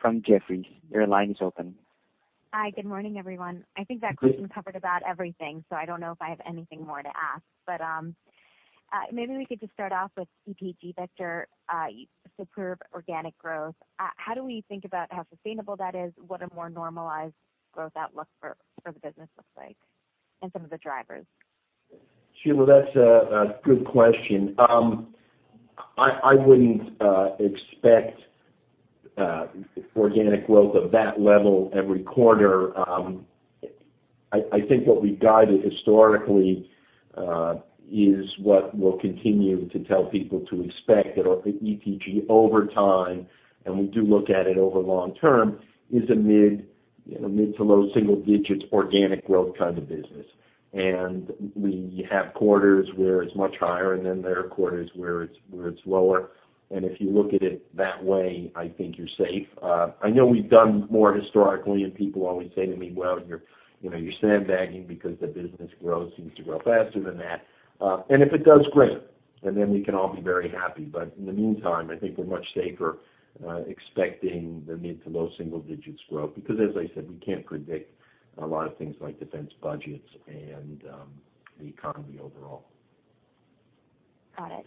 from Jefferies. Your line is open. Hi. Good morning, everyone. Good covered about everything. I don't know if I have anything more to ask. Maybe we could just start off with ETG, Victor, superb organic growth. How do we think about how sustainable that is, what a more normalized growth outlook for the business looks like, and some of the drivers? Sheila, that's a good question. I wouldn't expect organic growth of that level every quarter. I think what we've guided historically is what we'll continue to tell people to expect, that ETG over time, and we do look at it over long-term, is a mid to low single digits organic growth kind of business. We have quarters where it's much higher, and then there are quarters where it's lower. If you look at it that way, I think you're safe. I know we've done more historically, and people always say to me, "Well, you're sandbagging because the business growth seems to grow faster than that." If it does, great, and then we can all be very happy. In the meantime, I think we're much safer expecting the mid to low single digits growth, because as I said, we can't predict a lot of things like defense budgets and the economy overall. Got it.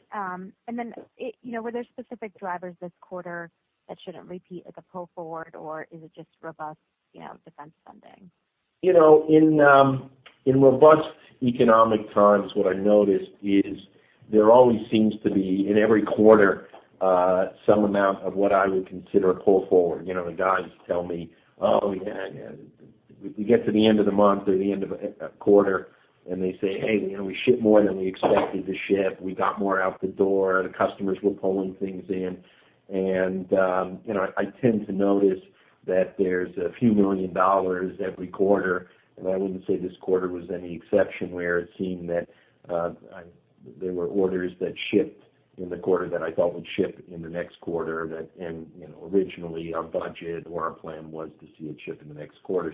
Were there specific drivers this quarter that shouldn't repeat like a pull forward, or is it just robust defense funding? In robust economic times, what I notice is there always seems to be, in every quarter, some amount of what I would consider a pull forward. The guys tell me, "Oh, yeah." We get to the end of the month or the end of a quarter and they say, "Hey, we shipped more than we expected to ship. We got more out the door. The customers were pulling things in." I tend to notice that there's a few million dollars every quarter, and I wouldn't say this quarter was any exception, where it seemed that there were orders that shipped in the quarter that I thought would ship in the next quarter, and originally our budget or our plan was to see it ship in the next quarter.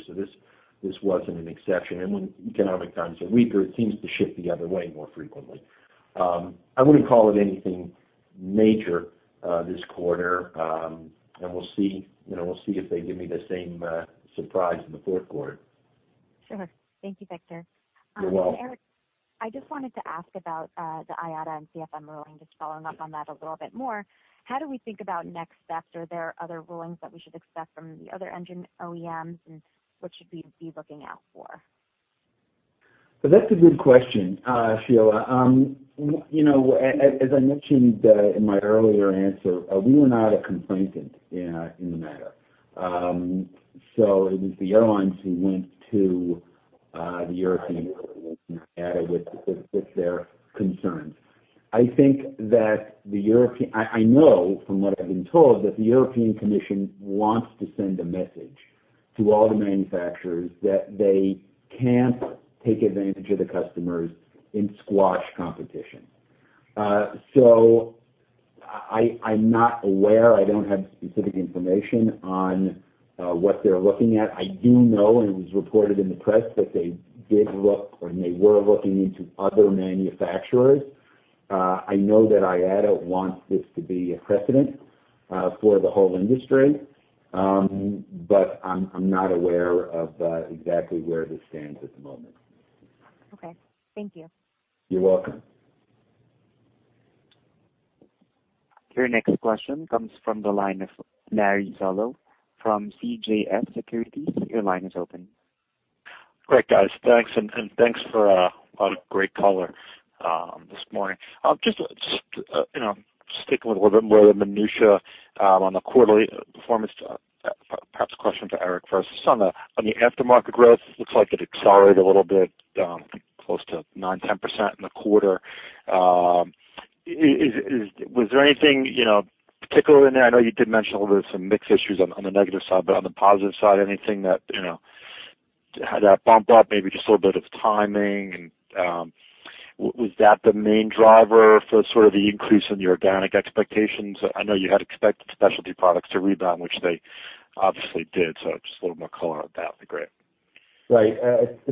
This wasn't an exception. When economic times are weaker, it seems to shift the other way more frequently. I wouldn't call it anything major this quarter. We'll see if they give me the same surprise in the fourth quarter. Sure. Thank you, Victor. You're welcome. I just wanted to ask about the IATA and CFM ruling, just following up on that a little bit more. How do we think about next steps? Are there other rulings that we should expect from the other engine OEMs, and what should we be looking out for? That's a good question, Sheila. As I mentioned in my earlier answer, we were not a complainant in the matter. It was the airlines who went to the European Commission with their concerns. I know from what I've been told that the European Commission wants to send a message to all the manufacturers that they can't take advantage of the customers and squash competition. I'm not aware, I don't have specific information on what they're looking at. I do know, and it was reported in the press, that they did look, or they were looking into other manufacturers. I know that IATA wants this to be a precedent for the whole industry. I'm not aware of exactly where this stands at the moment. Okay. Thank you. You're welcome. Your next question comes from the line of Larry Zolo from CJS Securities. Your line is open. Great, guys. Thanks, and thanks for a lot of great color this morning. Just sticking with a little bit more of the minutia on the quarterly performance, perhaps a question to Eric first. Just on the aftermarket growth, looks like it accelerated a little bit, close to 9%, 10% in the quarter. Was there anything particular in there? I know you did mention a little bit of some mix issues on the negative side, but on the positive side, anything that had that bump up? Maybe just a little bit of timing, and was that the main driver for sort of the increase in the organic expectations? I know you had expected specialty products to rebound, which they obviously did. Just a little more color on that would be great. Right.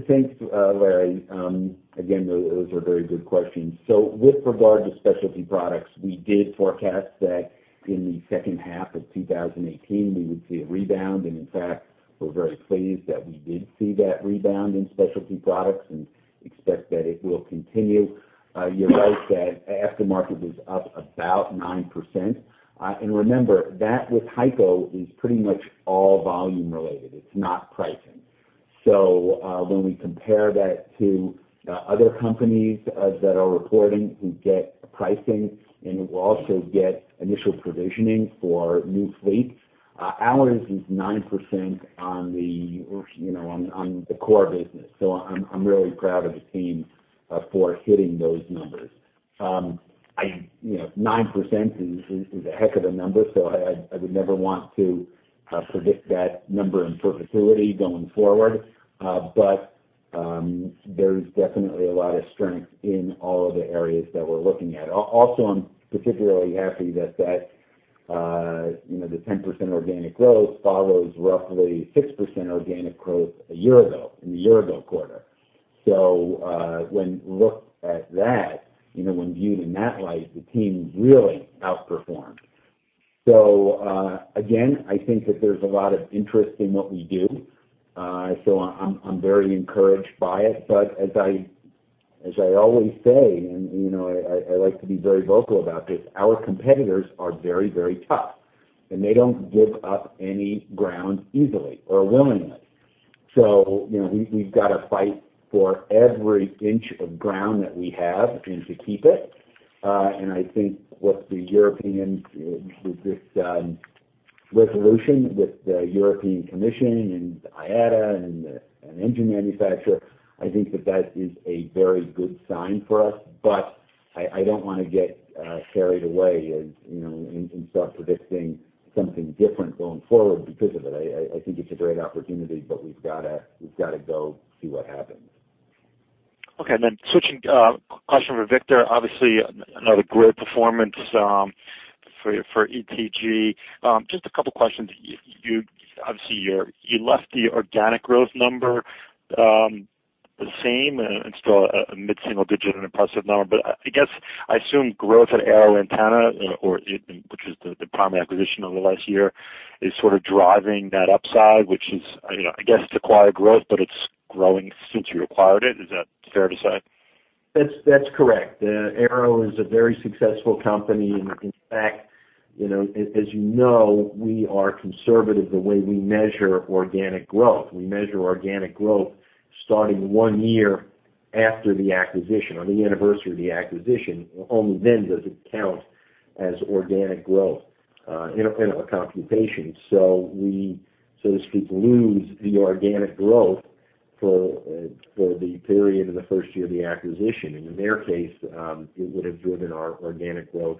Thanks, Larry. Again, those are very good questions. With regard to specialty products, we did forecast that in the second half of 2018, we would see a rebound. In fact, we're very pleased that we did see that rebound in specialty products and expect that it will continue. You're right that aftermarket was up about 9%. Remember, that with HEICO is pretty much all volume related. It's not pricing. When we compare that to other companies that are reporting who get pricing, and who also get initial provisioning for new fleets, ours is 9% on the core business. I'm really proud of the team for hitting those numbers. 9% is a heck of a number, so I would never want to predict that number in perpetuity going forward. There's definitely a lot of strength in all of the areas that we're looking at. Also, I'm particularly happy that the 10% organic growth follows roughly 6% organic growth a year ago, in the year-ago quarter. When looked at that, when viewed in that light, the team really outperformed. Again, I think that there's a lot of interest in what we do. I'm very encouraged by it, but as I always say, and I like to be very vocal about this, our competitors are very, very tough, and they don't give up any ground easily or willingly. We've got to fight for every inch of ground that we have and to keep it. I think what the Europeans, with this resolution with the European Commission and IATA and engine manufacturer, I think that that is a very good sign for us. I don't want to get carried away and start predicting something different going forward because of it. I think it's a great opportunity, we've got to go see what happens. Okay, switching, question for Victor. Obviously another great performance for ETG. Just a couple questions. Obviously, you left the organic growth number the same and still a mid-single digit, an impressive number. I guess I assume growth at AeroAntenna, which is the primary acquisition over the last year, is sort of driving that upside. Which is, I guess it's acquired growth, but it's growing since you acquired it. Is that fair to say? That's correct. Aero is a very successful company. In fact, as you know, we are conservative the way we measure organic growth. We measure organic growth starting one year after the acquisition, on the anniversary of the acquisition. Only then does it count as organic growth in our computations. We, so to speak, lose the organic growth for the period of the first year of the acquisition. In their case, it would have driven our organic growth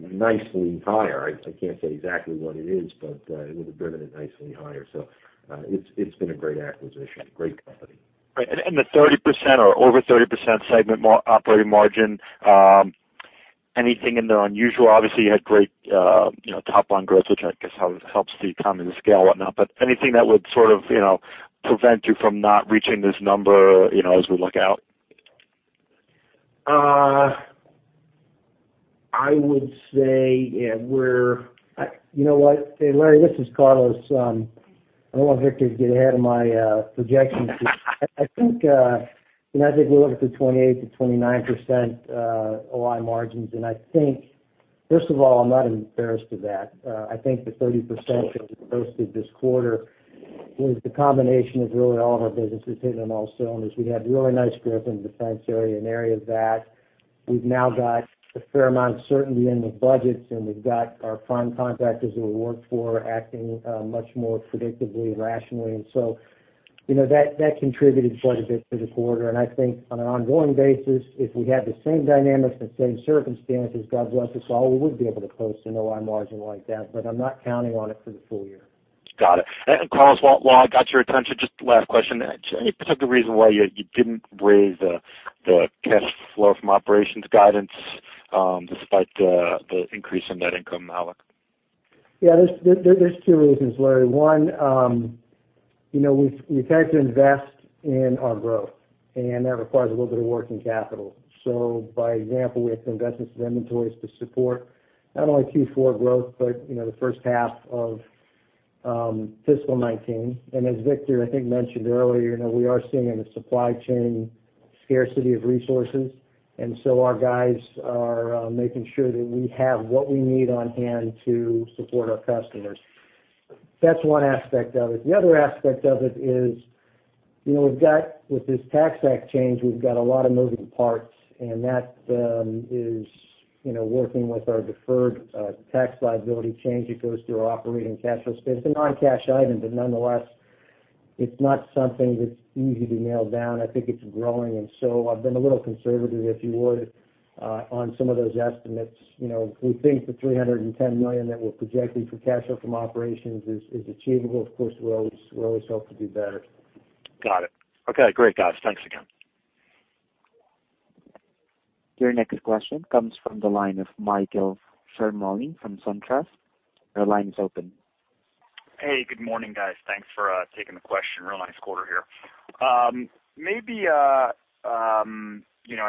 nicely higher. I can't say exactly what it is, but it would have driven it nicely higher. It's been a great acquisition, a great company. Right. The 30% or over 30% segment operating margin, anything in the unusual? Obviously you had great top line growth, which I guess helps the economies of scale, whatnot, but anything that would sort of prevent you from not reaching this number as we look out? I would say, yeah, you know what? Larry, this is Carlos. I don't want Victor to get ahead of my projections. I think we're looking for 28%-29% OI margins. I think, first of all, I'm not even embarrassed of that. I think the 30% Sure that we posted this quarter was the combination of really all of our businesses hitting on all cylinders. We had really nice growth in the defense area and areas that we've now got a fair amount of certainty in the budgets, and we've got our prime contractors who we work for acting much more predictably and rationally. That contributed quite a bit to the quarter. I think on an ongoing basis, if we had the same dynamics and same circumstances, God bless us all, we would be able to post an OI margin like that. I'm not counting on it for the full year. Got it. Carlos, while I got your attention, just last question. Any particular reason why you didn't raise the cash flow from operations guidance, despite the increase in net income now? Yeah, there's two reasons, Larry. One, we've had to invest in our growth, and that requires a little bit of working capital. By example, we have to invest into inventories to support not only Q4 growth, but the first half of fiscal 2019. As Victor, I think, mentioned earlier, we are seeing a supply chain scarcity of resources, and so our guys are making sure that we have what we need on hand to support our customers. That's one aspect of it. The other aspect of it is, with this tax act change, we've got a lot of moving parts, and that is working with our deferred tax liability change, it goes through our operating cash flow. It's a non-cash item, nonetheless, it's not something that's easy to nail down. I think it's growing. I've been a little conservative, if you would, on some of those estimates. We think the $310 million that we're projecting for cash flow from operations is achievable. Of course, we always hope to do better. Got it. Okay, great, guys. Thanks again. Your next question comes from the line of Michael Ciarmoli from SunTrust. Your line is open. Hey, good morning, guys. Thanks for taking the question. Real nice quarter here. Maybe, I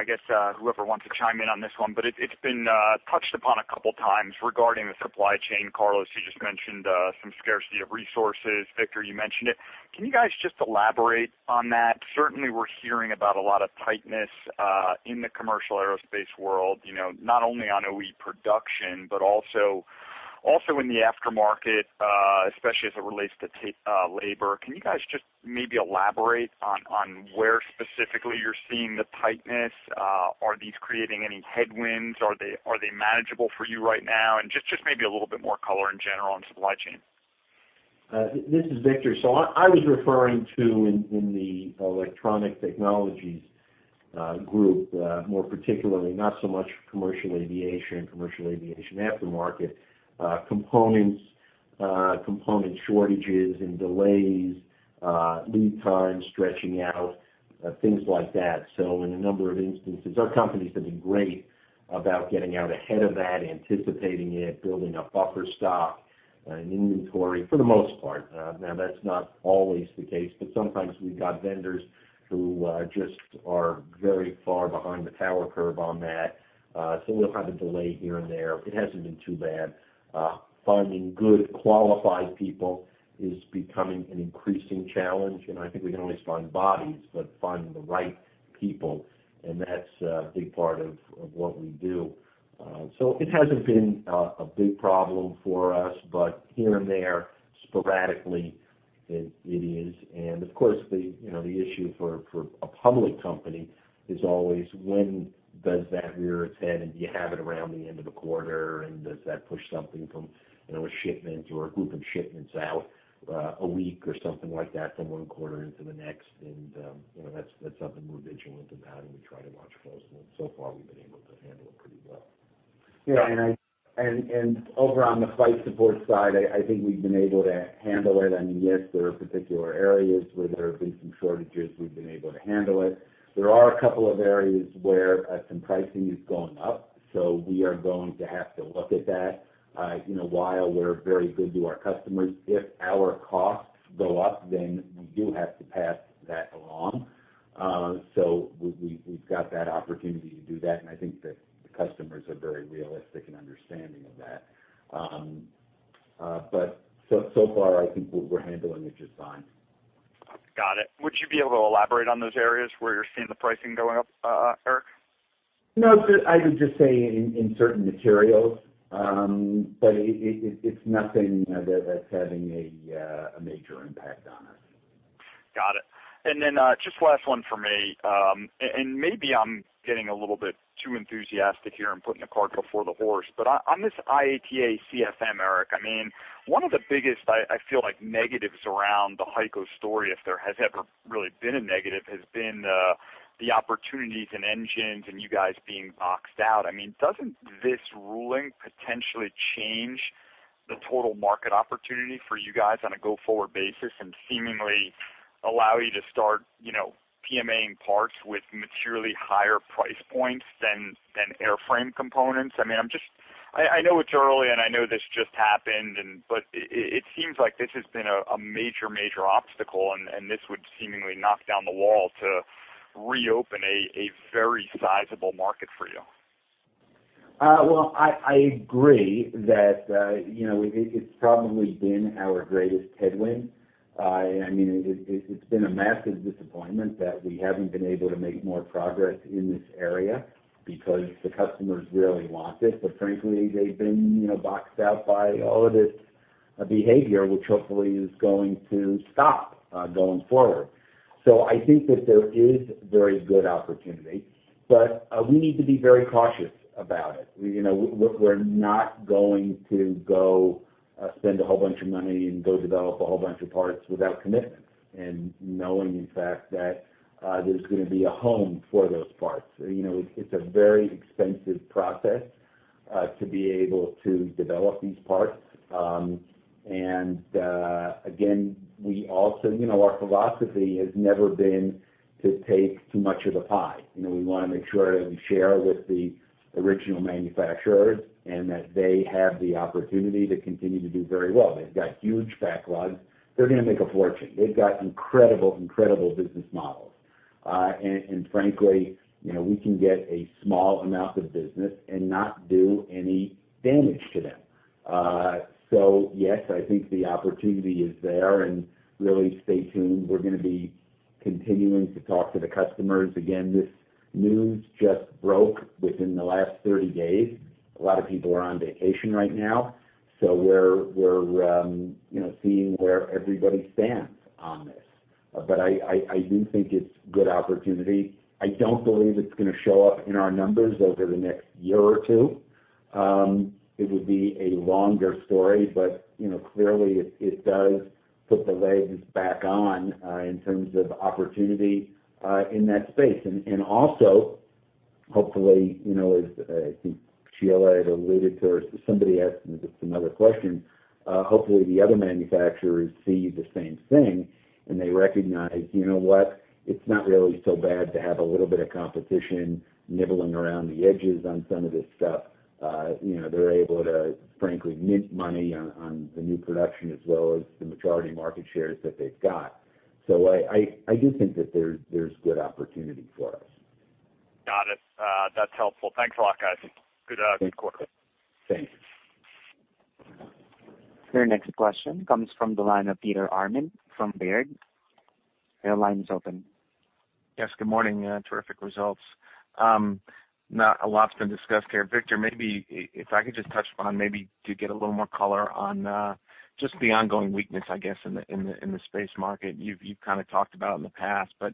guess, whoever wants to chime in on this one, it's been touched upon a couple of times regarding the supply chain. Carlos, you just mentioned some scarcity of resources. Victor, you mentioned it. Can you guys just elaborate on that? Certainly, we're hearing about a lot of tightness in the commercial aerospace world, not only on OE production, but also in the aftermarket, especially as it relates to labor. Can you guys just maybe elaborate on where specifically you're seeing the tightness? Are these creating any headwinds? Are they manageable for you right now? Just maybe a little bit more color in general on supply chain. This is Victor. I was referring to in the Electronic Technologies Group, more particularly, not so much commercial aviation, commercial aviation aftermarket. Components, component shortages and delays, lead times stretching out, things like that. In a number of instances, our company's been great about getting out ahead of that, anticipating it, building up buffer stock and inventory for the most part. Now, that's not always the case, but sometimes we've got vendors who just are very far behind the power curve on that. We'll have a delay here and there. It hasn't been too bad. Finding good qualified people is becoming an increasing challenge, and I think we can always find bodies, but finding the right people, and that's a big part of what we do. It hasn't been a big problem for us, but here and there, sporadically, it is. Of course, the issue for a public company is always when does that rear its head, and do you have it around the end of a quarter, and does that push something from a shipment or a group of shipments out a week or something like that from one quarter into the next? That's something we're vigilant about, and we try to watch closely. So far, we've been able to handle it pretty well. Over on the Flight Support side, I think we've been able to handle it. I mean, yes, there are particular areas where there have been some shortages. We've been able to handle it. There are a couple of areas where some pricing has gone up. We are going to have to look at that. While we're very good to our customers, if our costs go up, then we do have to pass that along. We've got that opportunity to do that, and I think that the customers are very realistic and understanding of that. So far, I think we're handling it just fine. Got it. Would you be able to elaborate on those areas where you're seeing the pricing going up, Eric? No, I would just say in certain materials. It's nothing that's having a major impact on us. Got it. Just last one for me, maybe I'm getting a little bit too enthusiastic here and putting the cart before the horse, on this IATA CFM, Eric, one of the biggest, I feel like, negatives around the HEICO story, if there has ever really been a negative, has been the opportunities in engines and you guys being boxed out. Doesn't this ruling potentially change the total market opportunity for you guys on a go-forward basis and seemingly allow you to start PMA-ing parts with maturely higher price points than airframe components? I know it's early, I know this just happened, it seems like this has been a major obstacle, this would seemingly knock down the wall to reopen a very sizable market for you. Well, I agree that it's probably been our greatest headwind. It's been a massive disappointment that we haven't been able to make more progress in this area because the customers really want this. Frankly, they've been boxed out by all of this a behavior which hopefully is going to stop going forward. I think that there is very good opportunity, we need to be very cautious about it. We're not going to go spend a whole bunch of money and go develop a whole bunch of parts without commitment and knowing in fact that there's going to be a home for those parts. It's a very expensive process to be able to develop these parts. Again, our philosophy has never been to take too much of the pie. We want to make sure that we share with the original manufacturers, that they have the opportunity to continue to do very well. They've got huge backlogs. They're going to make a fortune. They've got incredible business models. Frankly, we can get a small amount of business and not do any damage to them. Yes, I think the opportunity is there, really stay tuned. We're going to be continuing to talk to the customers. Again, this news just broke within the last 30 days. A lot of people are on vacation right now, we're seeing where everybody stands on this. I do think it's a good opportunity. I don't believe it's going to show up in our numbers over the next year or two. It would be a longer story. Clearly it does put the legs back on in terms of opportunity in that space. Also, hopefully, as I think Sheila had alluded to, or somebody asked this in other questions, hopefully the other manufacturers see the same thing and they recognize, you know what, it's not really so bad to have a little bit of competition nibbling around the edges on some of this stuff. They're able to, frankly, mint money on the new production as well as the majority market shares that they've got. I do think that there's good opportunity for us. Got it. That's helpful. Thanks a lot, guys. Good quarter. Thanks. Your next question comes from the line of Peter Arment from Baird. Your line is open. Yes, good morning. Terrific results. Not a lot's been discussed here. Victor, maybe if I could just touch upon maybe to get a little more color on just the ongoing weakness, I guess, in the space market. You've kind of talked about it in the past, but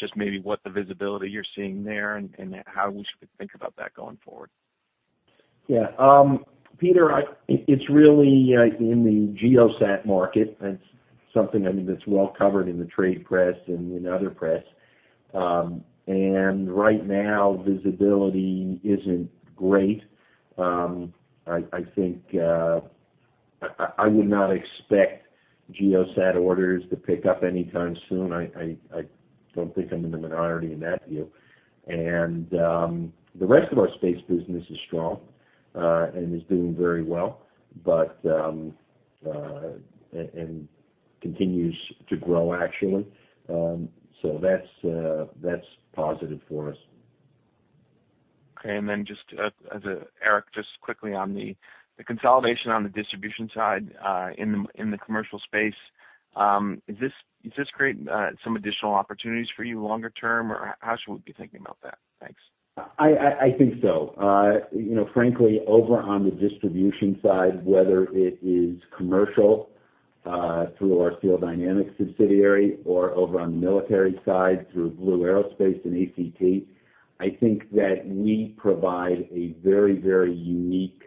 just maybe what the visibility you're seeing there, and how we should think about that going forward. Yeah. Peter, it is really in the GEOSAT market. That is something that is well covered in the trade press and in other press. Right now, visibility is not great. I would not expect GEOSAT orders to pick up anytime soon. I do not think I am in the minority in that view. The rest of our space business is strong and is doing very well, and continues to grow, actually. That is positive for us. Okay. Eric, just quickly on the consolidation on the distribution side in the commercial space. Does this create some additional opportunities for you longer term, or how should we be thinking about that? Thanks. I think so. Frankly, over on the distribution side, whether it is commercial through our Seal Dynamics subsidiary or over on the military side through Blue Aerospace and ACT, I think that we provide a very unique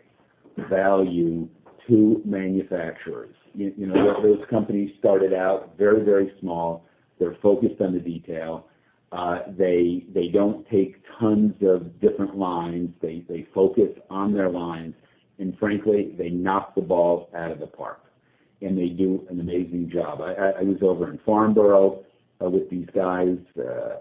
value to manufacturers. Those companies started out very small. They are focused on the detail. They do not take tons of different lines. They focus on their lines, frankly, they knock the balls out of the park, and they do an amazing job. I was over in Farnborough with these guys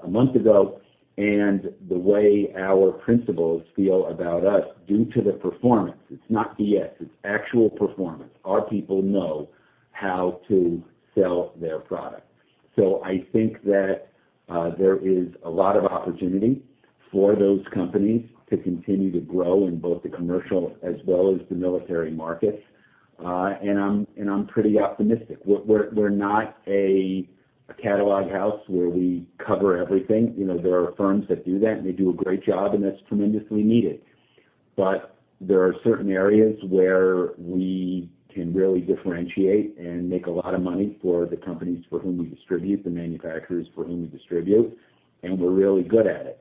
a month ago, the way our principals feel about us due to the performance, it is not BS, it is actual performance. Our people know how to sell their product. I think that there is a lot of opportunity for those companies to continue to grow in both the commercial as well as the military markets. I am pretty optimistic. We are not a catalog house where we cover everything. There are firms that do that, they do a great job, and that is tremendously needed. There are certain areas where we can really differentiate and make a lot of money for the companies for whom we distribute, the manufacturers for whom we distribute, and we are really good at it.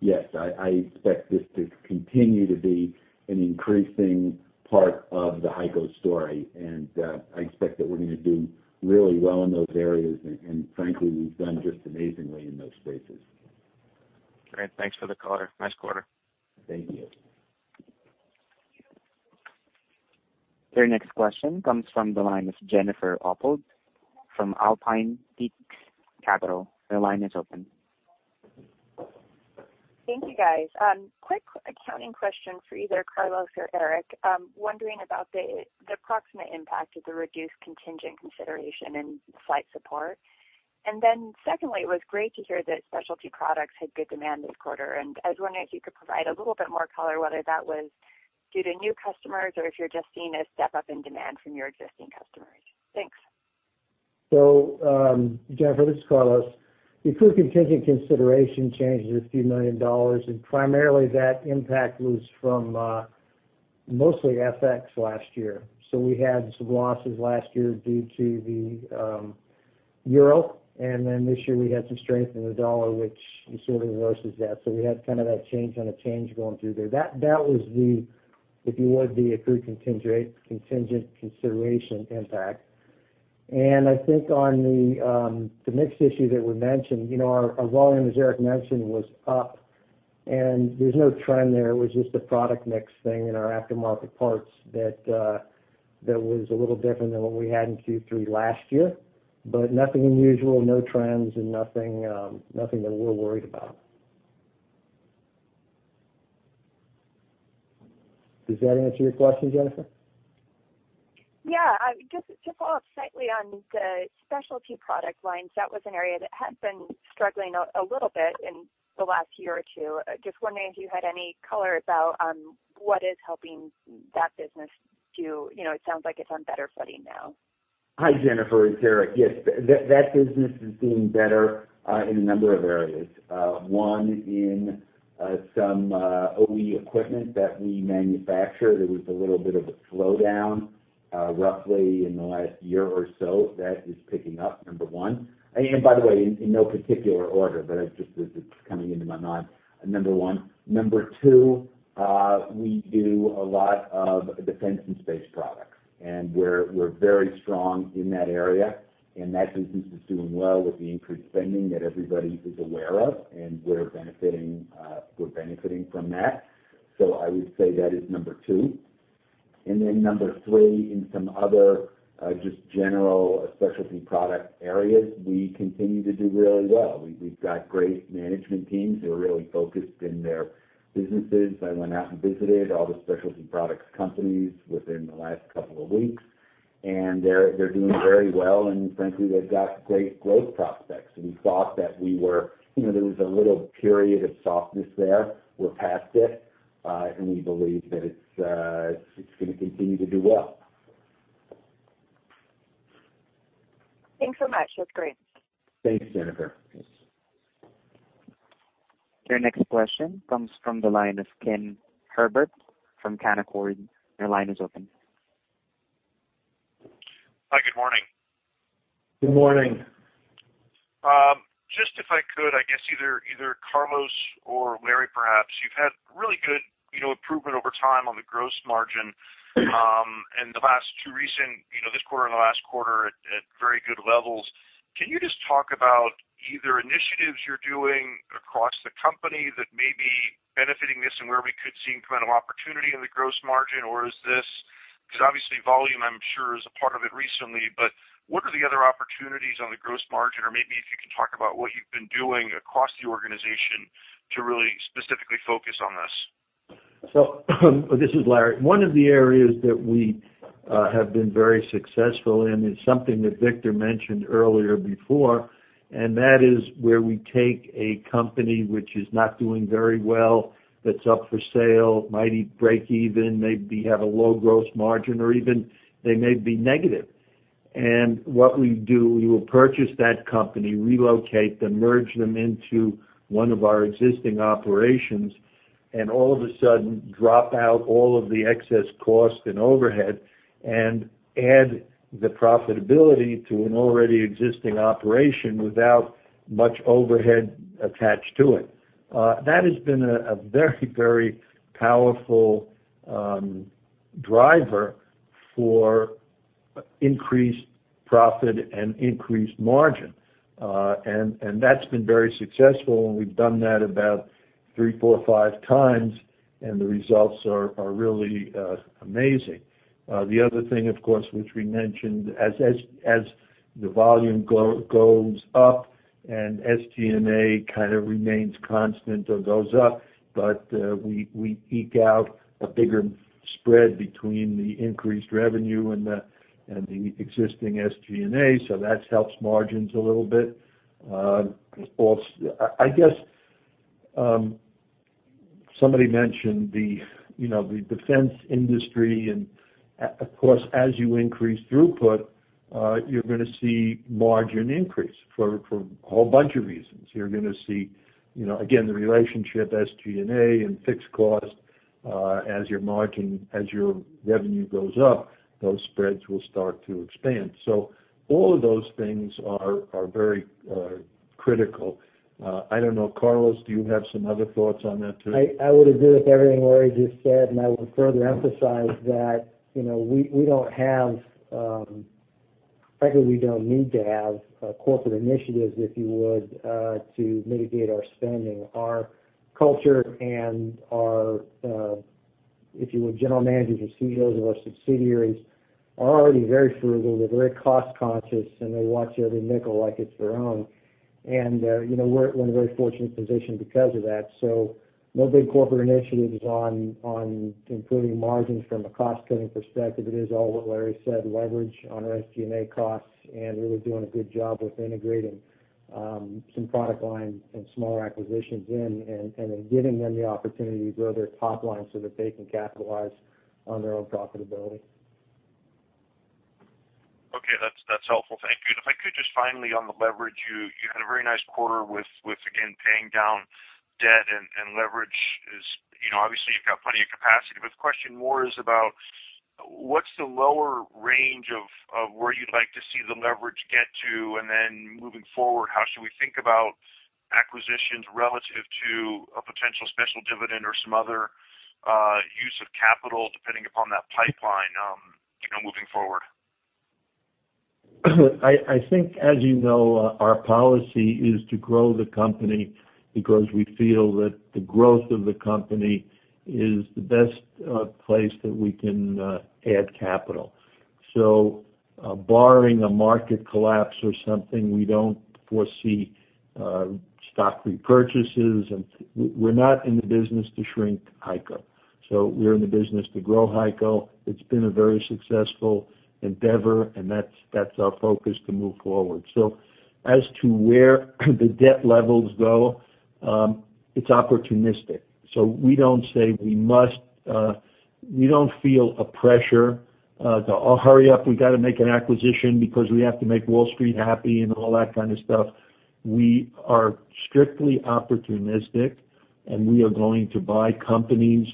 Yes, I expect this to continue to be an increasing part of the HEICO story, I expect that we are going to do really well in those areas. Frankly, we have done just amazingly in those spaces. Great. Thanks for the color. Nice quarter. Thank you. Your next question comes from the line of Jennifer Oppold from Alpine Peak Capital. Your line is open. Thank you, guys. Quick accounting question for either Carlos or Eric. I'm wondering about the approximate impact of the reduced contingent consideration in Flight Support. Secondly, it was great to hear that specialty products had good demand this quarter, and I was wondering if you could provide a little bit more color whether that was due to new customers, or if you're just seeing a step up in demand from your existing customers. Thanks. Jennifer, this is Carlos. The accrued contingent consideration changed a few million dollars, and primarily that impact was from mostly FX last year. We had some losses last year due to the euro. This year we had some strength in the dollar, which sort of reverses that. We had kind of that change on a change going through there. That was the, if you would, the accrued contingent consideration impact. I think on the mix issue that was mentioned, our volume, as Eric mentioned, was up. There's no trend there. It was just a product mix thing in our aftermarket parts that was a little different than what we had in Q3 last year. Nothing unusual, no trends, and nothing that we're worried about. Does that answer your question, Jennifer? Yeah. Just to follow up slightly on the specialty product lines, that was an area that has been struggling a little bit in the last year or two. Just wondering if you had any color about what is helping that business do. It sounds like it's on better footing now. Hi, Jennifer. It's Eric. Yes. That business is doing better in a number of areas. One, in some OE equipment that we manufacture, there was a little bit of a slowdown roughly in the last year or so. That is picking up, number 1. By the way, in no particular order, it's just as it's coming into my mind. Number 1. Number 2, we do a lot of defense and space products. We're very strong in that area. That business is doing well with the increased spending that everybody is aware of. We're benefiting from that. I would say that is number 2. Number 3, in some other just general specialty product areas, we continue to do really well. We've got great management teams who are really focused in their businesses. I went out and visited all the specialty products companies within the last couple of weeks. They're doing very well. Frankly, they've got great growth prospects. We thought that there was a little period of softness there. We're past it. We believe that it's going to continue to do well. Thanks so much. That's great. Thanks, Jennifer. Your next question comes from the line of Ken Herbert from Canaccord. Your line is open. Hi. Good morning. Good morning. Just if I could, I guess either Carlos or Larry, perhaps. You've had really good improvement over time on the gross margin in the last two recent, this quarter and the last quarter, at very good levels. Can you just talk about either initiatives you're doing across the company that may be benefiting this and where we could see incremental opportunity in the gross margin, or because obviously volume, I'm sure, is a part of it recently, but what are the other opportunities on the gross margin? Maybe if you can talk about what you've been doing across the organization to really specifically focus on this. This is Larry. One of the areas that we have been very successful in is something that Victor mentioned earlier before, that is where we take a company which is not doing very well, that's up for sale, might break even, maybe have a low gross margin, or even they may be negative. What we do, we will purchase that company, relocate them, merge them into one of our existing operations, and all of a sudden drop out all of the excess cost and overhead and add the profitability to an already existing operation without much overhead attached to it. That has been a very powerful driver for increased profit and increased margin. That's been very successful, and we've done that about three, four, five times, and the results are really amazing. The other thing, of course, which we mentioned, as the volume goes up and SG&A kind of remains constant or goes up, but we eke out a bigger spread between the increased revenue and the existing SG&A, that helps margins a little bit. I guess somebody mentioned the defense industry, of course, as you increase throughput, you're going to see margin increase for a whole bunch of reasons. You're going to see, again, the relationship SG&A and fixed cost as your revenue goes up. Those spreads will start to expand. All of those things are very critical. I don't know. Carlos, do you have some other thoughts on that too? I would agree with everything Larry just said, I would further emphasize that frankly, we don't need to have corporate initiatives, if you would, to mitigate our spending. Our culture and our, if you would, general managers or CEOs of our subsidiaries are already very frugal. They're very cost-conscious, and they watch every nickel like it's their own. We're in a very fortunate position because of that. No big corporate initiatives on improving margins from a cost-cutting perspective. It is all what Larry said, leverage on our SG&A costs and really doing a good job with integrating some product lines and smaller acquisitions in and then giving them the opportunity to grow their top line so that they can capitalize on their own profitability. Okay. That's helpful. Thank you. If I could just finally on the leverage, you had a very nice quarter with, again, paying down debt and leverage is obviously you've got plenty of capacity, the question more is about what's the lower range of where you'd like to see the leverage get to? Then moving forward, how should we think about acquisitions relative to a potential special dividend or some other use of capital, depending upon that pipeline, moving forward? I think, as you know, our policy is to grow the company because we feel that the growth of the company is the best place that we can add capital. Barring a market collapse or something, we don't foresee stock repurchases, and we're not in the business to shrink HEICO. We're in the business to grow HEICO. It's been a very successful endeavor, and that's our focus to move forward. As to where the debt levels go, it's opportunistic. We don't say we must. We don't feel a pressure to, "Oh, hurry up. We got to make an acquisition because we have to make Wall Street happy," and all that kind of stuff. We are strictly opportunistic, and we are going to buy companies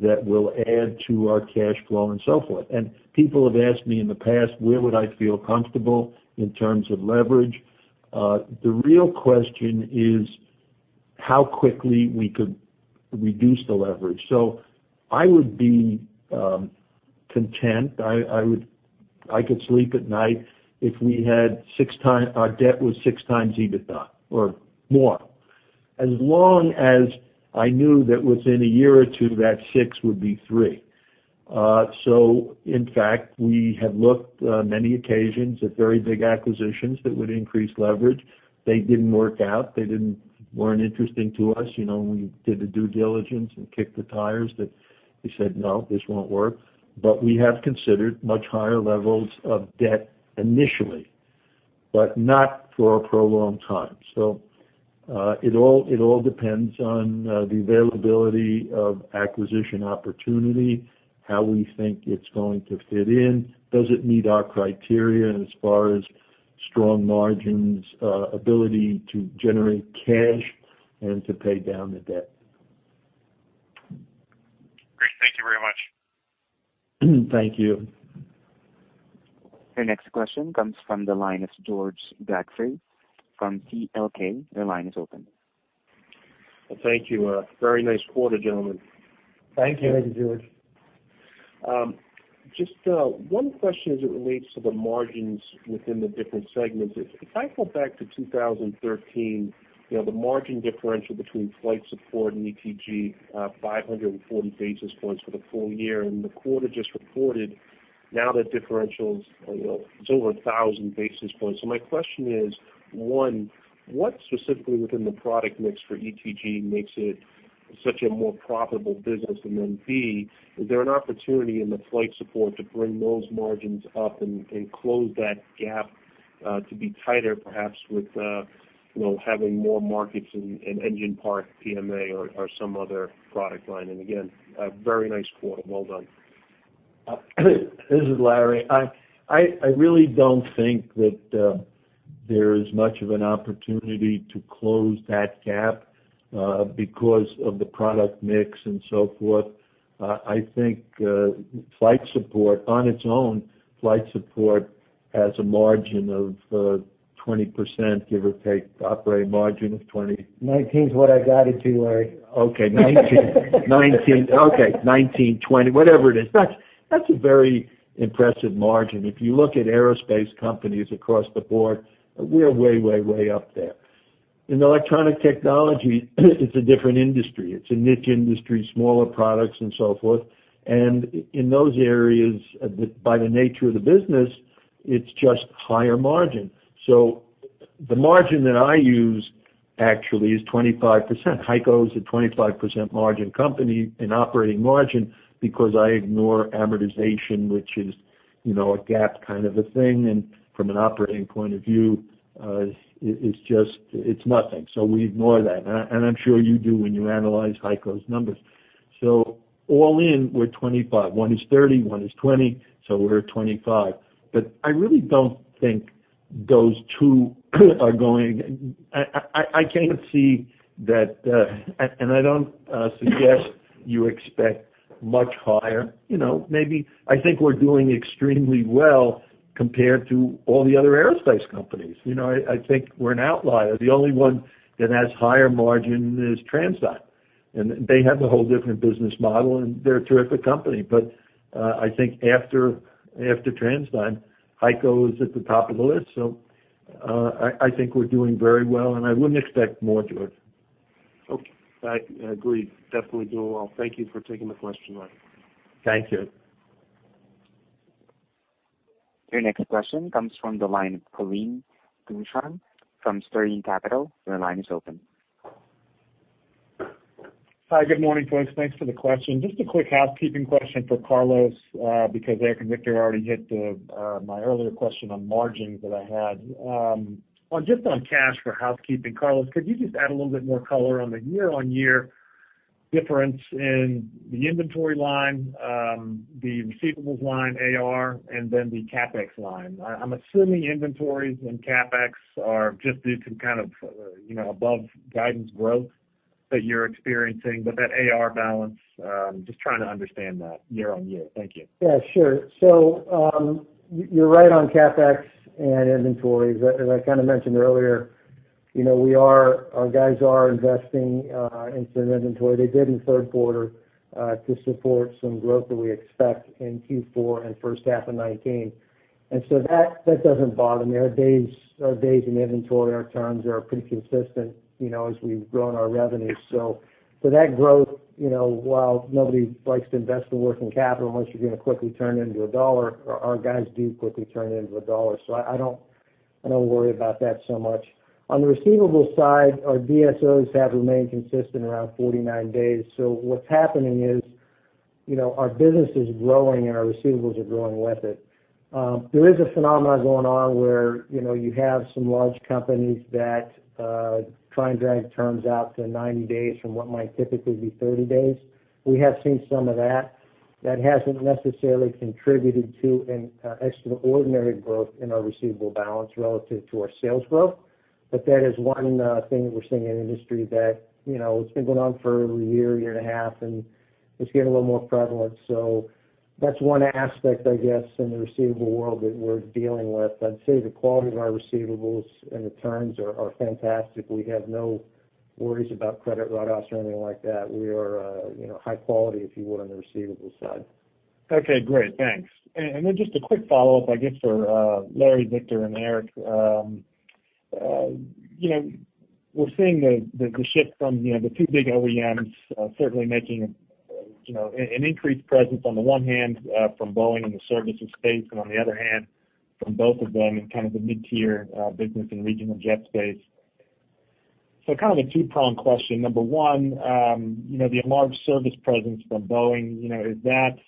that will add to our cash flow and so forth. People have asked me in the past, where would I feel comfortable in terms of leverage? The real question is how quickly we could reduce the leverage. I would be content, I could sleep at night if our debt was six times EBITDA or more, as long as I knew that within a year or two, that six would be three. In fact, we have looked on many occasions at very big acquisitions that would increase leverage. They didn't work out. They weren't interesting to us. We did the due diligence and kicked the tires, but we said, "No, this won't work." We have considered much higher levels of debt initially, but not for a prolonged time. It all depends on the availability of acquisition opportunity, how we think it's going to fit in. Does it meet our criteria as far as strong margins, ability to generate cash, and to pay down the debt? Great. Thank you very much. Thank you. Your next question comes from the line of George Godfrey from CLK. Your line is open. Well, thank you. A very nice quarter, gentlemen. Thank you. Thank you, George. Just one question as it relates to the margins within the different segments. If I go back to 2013, the margin differential between Flight Support and ETG, 540 basis points for the full year, and the quarter just reported now, that differential is over 1,000 basis points. My question is, one, what specifically within the product mix for ETG makes it such a more profitable business? And then B, is there an opportunity in the Flight Support to bring those margins up and close that gap to be tighter, perhaps with having more markets in engine parts, PMA or some other product line? Again, a very nice quarter. Well done. This is Larry. I really don't think that there is much of an opportunity to close that gap because of the product mix and so forth. I think on its own, Flight Support has a margin of 20%, give or take, operating margin of 20%. 19 is what I got it to, Larry. Okay, 19, 20, whatever it is. That's a very impressive margin. If you look at aerospace companies across the board, we are way up there. In electronic technology, it's a different industry. It's a niche industry, smaller products and so forth. In those areas, by the nature of the business, it's just higher margin. The margin that I use actually is 25%. HEICO is a 25% margin company in operating margin because I ignore amortization, which is a GAAP kind of a thing. From an operating point of view, it's nothing, we ignore that. I'm sure you do when you analyze HEICO's numbers. All in, we're 25%. One is 30%, one is 20%, so we're 25%. I really don't think those two are going, I can't see that. I don't suggest you expect much higher. I think we're doing extremely well compared to all the other aerospace companies. I think we're an outlier. The only one that has higher margin is TransDigm, and they have a whole different business model, and they're a terrific company. I think after TransDigm, HEICO is at the top of the list. I think we're doing very well. I wouldn't expect more, George. Okay. I agree. Definitely doing well. Thank you for taking the question, Larry. Thank you. Your next question comes from the line of Kaleem Hussain from Sterling Capital. Your line is open. Hi. Good morning, folks. Thanks for the question. Just a quick housekeeping question for Carlos, because Eric and Victor already hit my earlier question on margins that I had. Just on cash for housekeeping, Carlos, could you just add a little bit more color on the year-on-year difference in the inventory line, the receivables line, AR, and then the CapEx line. I'm assuming inventories and CapEx are just due to kind of above-guidance growth that you're experiencing. That AR balance, just trying to understand that year-on-year. Thank you. Sure. You're right on CapEx and inventories. As I mentioned earlier, our guys are investing in some inventory. They did in the third quarter to support some growth that we expect in Q4 and the first half of 2019. That doesn't bother me. Our days in inventory, our terms are pretty consistent as we've grown our revenue. That growth, while nobody likes to invest in working capital unless you're going to quickly turn it into a dollar, our guys do quickly turn it into a dollar. I don't worry about that so much. On the receivables side, our DSO have remained consistent, around 49 days. What's happening is, our business is growing, and our receivables are growing with it. There is a phenomenon going on where you have some large companies that try and drag terms out to 90 days from what might typically be 30 days. We have seen some of that. That hasn't necessarily contributed to an extraordinary growth in our receivable balance relative to our sales growth. That is one thing that we're seeing in the industry that it's been going on for over a year and a half, and it's getting a little more prevalent. That's one aspect, I guess, in the receivable world that we're dealing with. I'd say the quality of our receivables and the terms are fantastic. We have no worries about credit write-offs or anything like that. We are high quality, if you would, on the receivables side. Okay, great. Thanks. Just a quick follow-up, I guess, for Larry, Victor, and Eric. We're seeing the shift from the two big OEMs certainly making an increased presence on the one hand from Boeing in the services space and on the other hand, from both of them in the mid-tier business and regional jet space. A two-pronged question. Number one, the enlarged service presence from Boeing, is that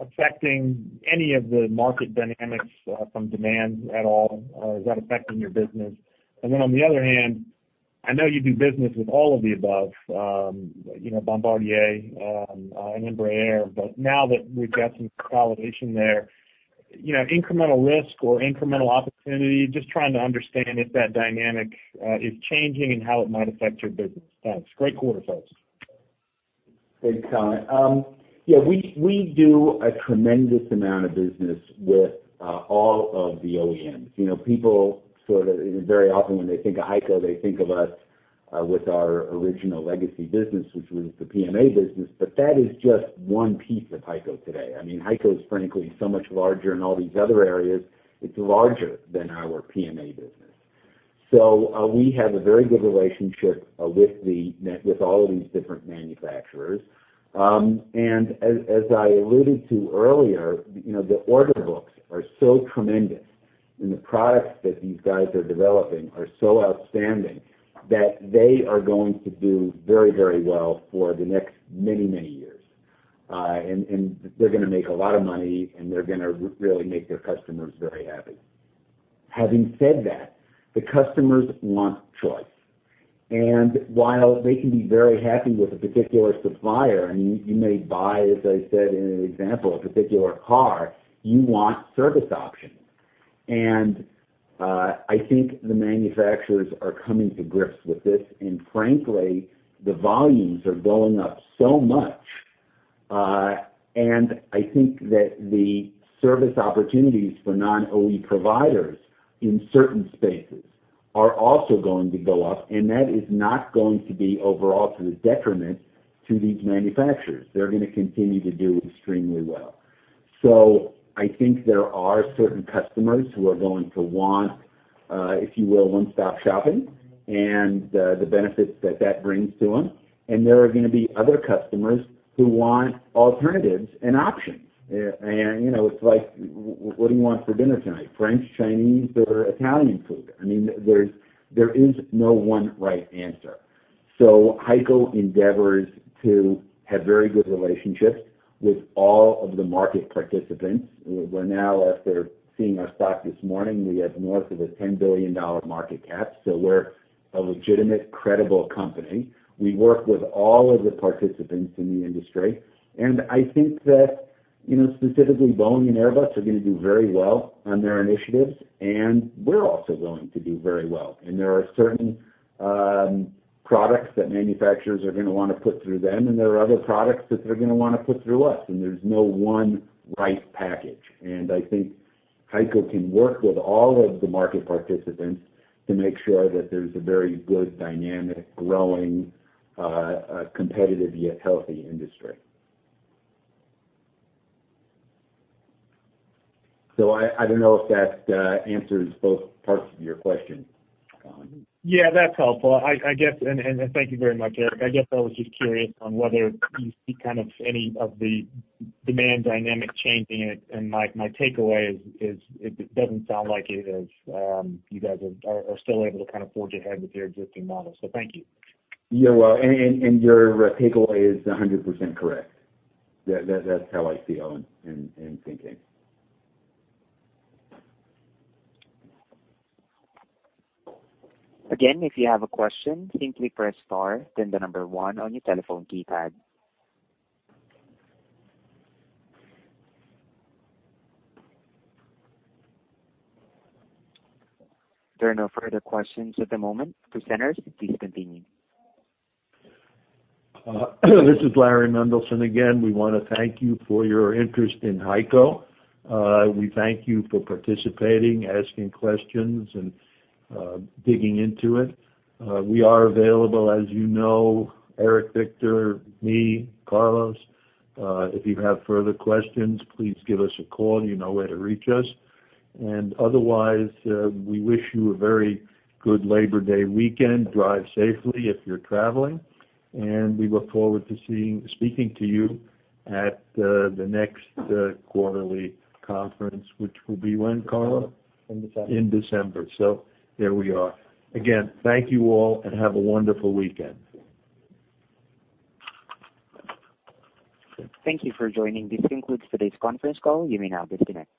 affecting any of the market dynamics from demand at all? Is that affecting your business? On the other hand, I know you do business with all of the above, Bombardier and Embraer, now that we've got some consolidation there, incremental risk or incremental opportunity, just trying to understand if that dynamic is changing and how it might affect your business. Thanks. Great quarter, folks. Thanks, Kaleem. We do a tremendous amount of business with all of the OEMs. People sort of, very often when they think of HEICO, they think of us with our original legacy business, which was the PMA business. That is just one piece of HEICO today. HEICO is frankly so much larger in all these other areas. It's larger than our PMA business. We have a very good relationship with all of these different manufacturers. As I alluded to earlier, the order books are so tremendous, and the products that these guys are developing are so outstanding that they are going to do very well for the next many years. They're going to make a lot of money, and they're going to really make their customers very happy. Having said that, the customers want choice. While they can be very happy with a particular supplier, and you may buy, as I said in an example, a particular car, you want service options. I think the manufacturers are coming to grips with this. Frankly, the volumes are going up so much. I think that the service opportunities for non-OE providers in certain spaces are also going to go up, and that is not going to be overall to the detriment to these manufacturers. They're going to continue to do extremely well. I think there are certain customers who are going to want, if you will, one-stop shopping and the benefits that that brings to them. There are going to be other customers who want alternatives and options. It's like, "What do you want for dinner tonight? French, Chinese, or Italian food?" There is no one right answer. HEICO endeavors to have very good relationships with all of the market participants. We're now, as they're seeing our stock this morning, we have north of a $10 billion market cap, so we're a legitimate, credible company. We work with all of the participants in the industry. I think that specifically Boeing and Airbus are going to do very well on their initiatives, and we're also going to do very well. There are certain products that manufacturers are going to want to put through them, and there are other products that they're going to want to put through us, and there's no one right package. I think HEICO can work with all of the market participants to make sure that there's a very good, dynamic, growing, competitive, yet healthy industry. I don't know if that answers both parts of your question, Kaleem. That's helpful. Thank you very much, Eric. I guess I was just curious on whether you see kind of any of the demand dynamic changing, and my takeaway is it doesn't sound like it is. You guys are still able to kind of forge ahead with your existing model. Thank you. You're welcome. Your takeaway is 100% correct. That's how I feel and thinking. Again, if you have a question, simply press star, then the number one on your telephone keypad. There are no further questions at the moment. Presenters, please continue. This is Larry Mendelson. Again, we want to thank you for your interest in HEICO. We thank you for participating, asking questions, and digging into it. We are available, as you know, Eric, Victor, me, Carlos. If you have further questions, please give us a call. You know where to reach us. Otherwise, we wish you a very good Labor Day weekend. We look forward to speaking to you at the next quarterly conference, which will be when, Carlos? In December. In December. There we are. Again, thank you all, and have a wonderful weekend. Thank you for joining. This concludes today's conference call. You may now disconnect.